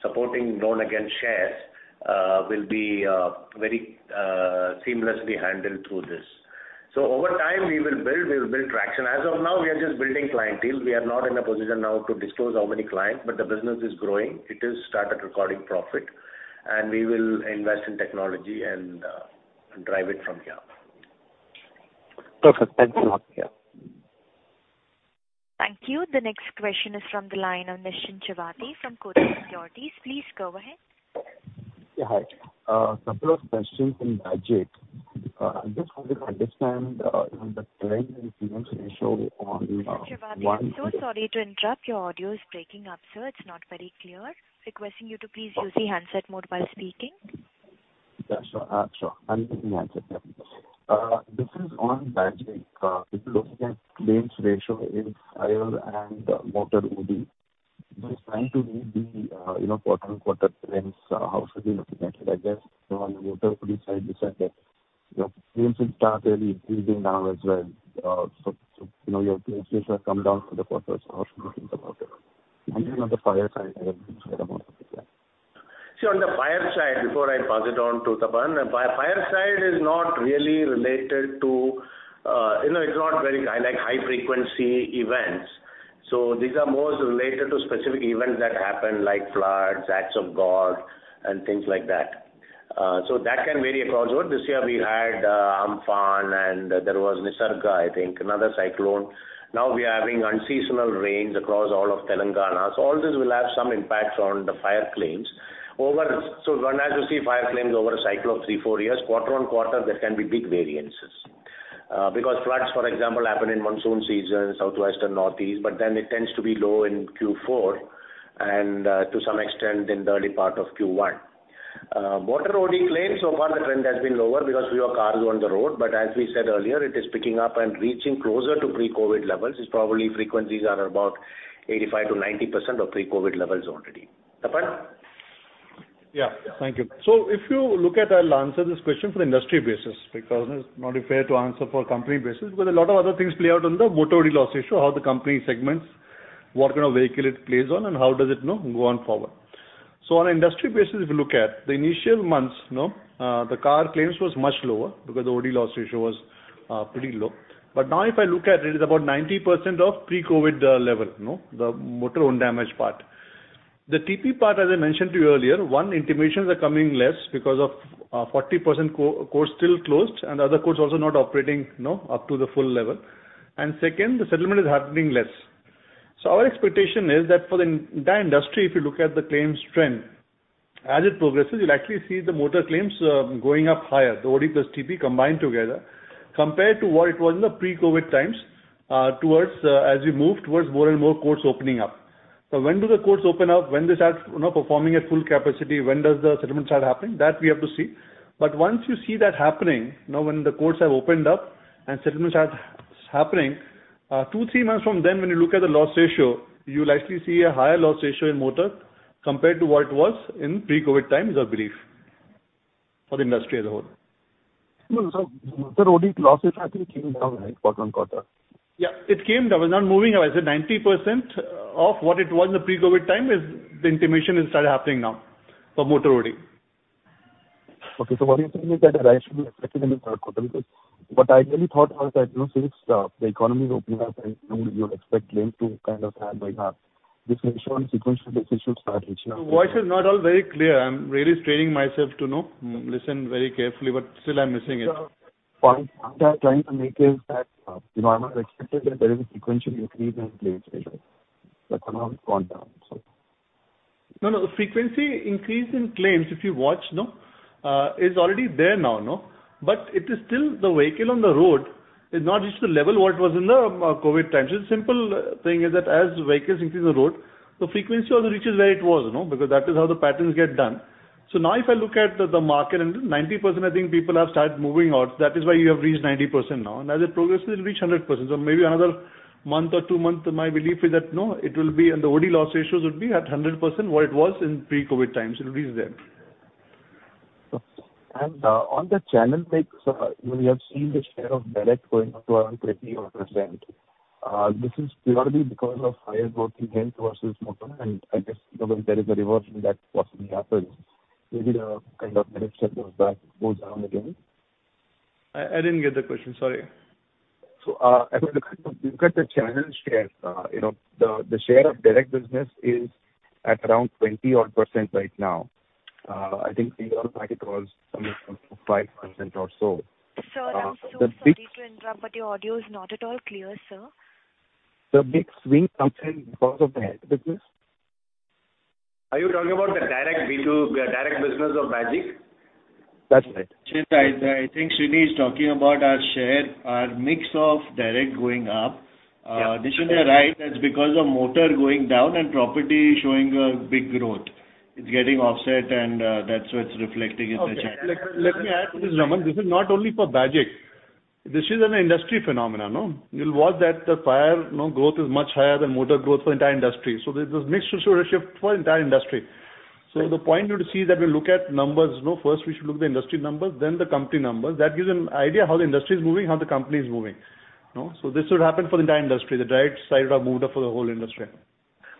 supporting loan against shares will be very seamlessly handled through this. Over time, we will build traction. As of now, we are just building clientele. We are not in a position now to disclose how many clients, but the business is growing. It has started recording profit, and we will invest in technology and drive it from here. Perfect. Thanks a lot. Thank you. The next question is from the line of Nischint Chawathe from Kotak Securities. Please go ahead. Yeah, hi. A couple of questions in budget. I just wanted to understand the claims and ratio on. Mr. Chawathe, so sorry to interrupt. Your audio is breaking up, sir. It's not very clear. Requesting you to please use the handset mode while speaking. Yeah, sure. I am using the handset. This is Bunny Babjee. If you look at claims ratio in fire and motor OD, just trying to read the quarter-on-quarter claims, how should we look at it, I guess, on motor OD side this side that your claims have started increasing now as well. Your claims ratio has come down for the quarters. How should we think about it? Even on the fire side? See, on the fire side, before I pass it on to Tapan, fire side is not really related to high-frequency events. These are more related to specific events that happen, like floods, acts of God, and things like that. That can vary across board. This year we had Amphan, and there was Nisarga, I think, another cyclone. Now we are having unseasonal rains across all of Telangana. All this will have some impact on the fire claims. One has to see fire claims over a cycle of three, four years. Quarter on quarter, there can be big variances. Floods, for example, happen in monsoon season, southwestern, northeast, but then it tends to be low in Q4, and to some extent in the early part of Q1. motor OD claims, so far the trend has been lower because fewer cars are on the road. As we said earlier, it is picking up and reaching closer to pre-COVID levels. It's probably frequencies are about 85%-90% of pre-COVID levels already. Tapan? Yeah. Thank you. I'll answer this question for the industry basis because it's not fair to answer for company basis, because a lot of other things play out on the motor OD loss ratio, how the company segments, what kind of vehicle it plays on, and how does it go on forward. On an industry basis, the initial months, the car claims was much lower because the OD loss ratio was pretty low. Now, it is about 90% of pre-COVID level. The motor own damage part. The TP part, as I mentioned to you earlier, one, intimations are coming less because of 40% courts still closed, and the other courts also not operating up to the full level. Second, the settlement is happening less. Our expectation is that for the entire industry, if you look at the claims trend, as it progresses, you'll actually see the motor claims going up higher, the OD plus TP combined together, compared to what it was in the pre-COVID times as we move towards more and more courts opening up. When do the courts open up? When they start performing at full capacity, when does the settlement start happening? That we have to see. Once you see that happening, when the courts have opened up and settlement starts happening Two, three months from then, when you look at the loss ratio, you'll actually see a higher loss ratio in motor compared to what it was in pre-COVID times, our belief. For the industry as a whole. No. motor OD losses I think came down quarter-on-quarter. Yeah. It came down. I said 90% of what it was in the pre-COVID time, the intimation has started happening now for motor OD. Okay. What you're saying is that a rise should be expected in the third quarter because what I really thought was that since the economy is opening up and you'd expect claims to kind of have this ratio on a sequential basis should start reaching. Your voice is not all very clear. I'm really straining myself to listen very carefully, but still I'm missing it. Sir, the point I'm trying to make is that, I might have accepted that there is a sequential increase in claims ratio that come out quarter on quarter. No, the frequency increase in claims, if you watch, is already there now. It is still the vehicle on the road has not reached the level what was in the COVID times. The simple thing is that as vehicles increase on the road, the frequency also reaches where it was because that is how the patterns get done. Now if I look at the market, 90%, I think people have started moving out. That is why you have reached 90% now. As it progresses, it'll reach 100%. Maybe another month or two month, my belief is that the OD loss ratios would be at 100% what it was in pre-COVID times. It'll reach there. On the channel mix, sir, we have seen the share of direct going up to around 20% odd. This is purely because of higher growth in health versus motor. I guess there is a reversion that possibly happens. Maybe the kind of direct share goes down again. I didn't get the question, sorry. I think if you look at the channel share, the share of direct business is at around 20% right now. I think in your packet was something around 5% or so. Sir, I'm so sorry to interrupt, but your audio is not at all clear, sir. The big swing comes in because of the health business. Are you talking about the direct business of Bajaj? That's right. Sreenivasan, I think Sreeni is talking about our share, our mix of direct going up. Yeah. This should be right. That's because of motor going down and property showing a big growth. It's getting offset and that's why it's reflecting in the channel. Okay. Let me add to this, Raman. This is not only for Bajaj. This is an industry phenomenon. You'll watch that the fire growth is much higher than motor growth for the entire industry. There's this mix ratio shift for entire industry. The point you to see that we look at numbers. First we should look at the industry numbers, then the company numbers. That gives an idea how the industry is moving, how the company is moving. This would happen for the entire industry. The direct side have moved up for the whole industry.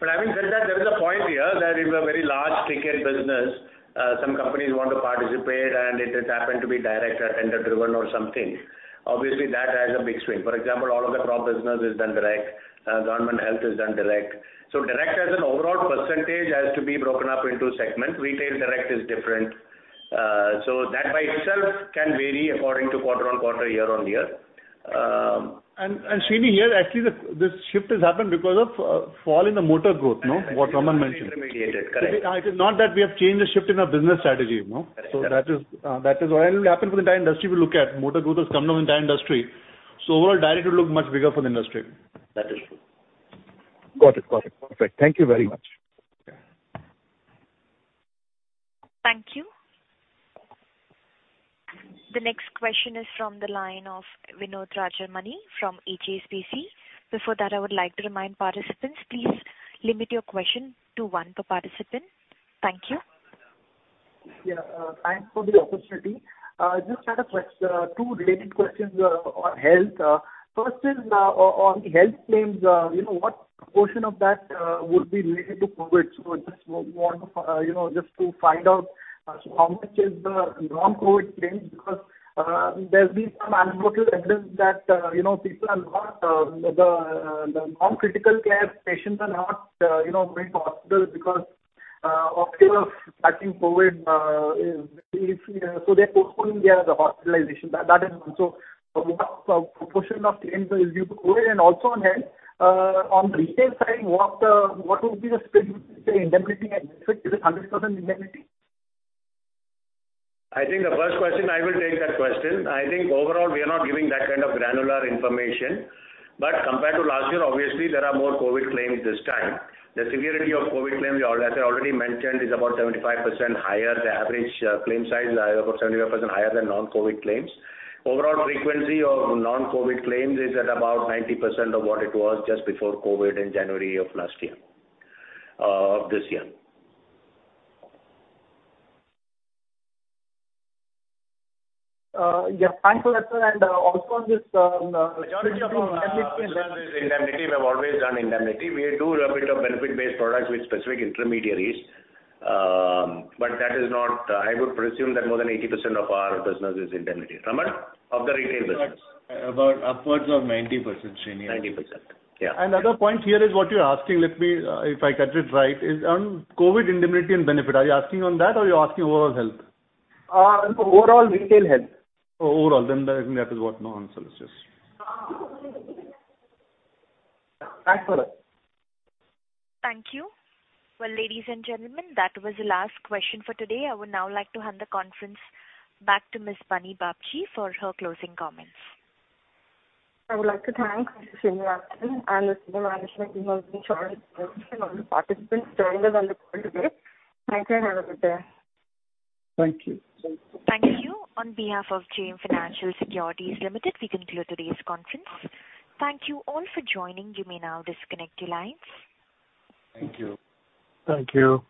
Having said that, there is a point here that if a very large ticket business, some companies want to participate and it has happened to be direct or tender driven or something. Obviously, that has a big swing. For example, all of the crop business is done direct. Government health is done direct. Direct as an overall percentage has to be broken up into segments. Retail direct is different. That by itself can vary according to quarter-on-quarter, year-on-year. Sreeni, here actually this shift has happened because of fall in the motor growth, what Raman mentioned. Intermediated. Correct. It is not that we have changed the shift in our business strategy. Correct, sir. That will happen for the entire industry if we look at. Motor growth has come down in the entire industry, so overall direct will look much bigger for the industry. That is true. Got it. Perfect. Thank you very much. Thank you. The next question is from the line of Vinod Rajamani from HSBC. Before that, I would like to remind participants, please limit your question to one per participant. Thank you. Yeah. Thanks for the opportunity. Just had two related questions on health. First is on health claims, what proportion of that would be related to COVID? Just want to find out how much is the non-COVID claims because there's been some anecdotal evidence that the non-critical care patients are not going to hospitals because of fear of catching COVID. They're postponing their hospitalization. That is one. What proportion of claims is due to COVID? Also on health, on retail side, what would be the split between indemnity and benefit? Is it 100% indemnity? I think the first question, I will take that question. I think overall, we are not giving that kind of granular information. Compared to last year, obviously there are more COVID claims this time. The severity of COVID claims, as I already mentioned, is about 75% higher. The average claim size is about 75% higher than non-COVID claims. Overall frequency of non-COVID claims is at about 90% of what it was just before COVID in January of this year. Yeah. Thanks for that, sir. Majority of our business is indemnity. We have always done indemnity. We do a bit of benefit-based products with specific intermediaries. I would presume that more than 80% of our business is indemnity. Raman? Of the retail business. About upwards of 90%, Sreenivasan. 90%. Yeah. Other point here is what you're asking, if I catch it right, is on COVID indemnity and benefit. Are you asking on that or are you asking overall health? Overall retail health. Overall, I think that is what my answer is just. Thanks for that. Thank you. Well, ladies and gentlemen, that was the last question for today. I would now like to hand the conference back to Ms. Bunny Babjee for her closing comments. I would like to thank Sreeni Rajan and the management team of Bajaj Finserv and all the participants joining us on the call today. Thanks, have a good day. Thank you. Thank you. On behalf of JM Financial Securities Limited, we conclude today's conference. Thank you all for joining. You may now disconnect your lines. Thank you. Thank you.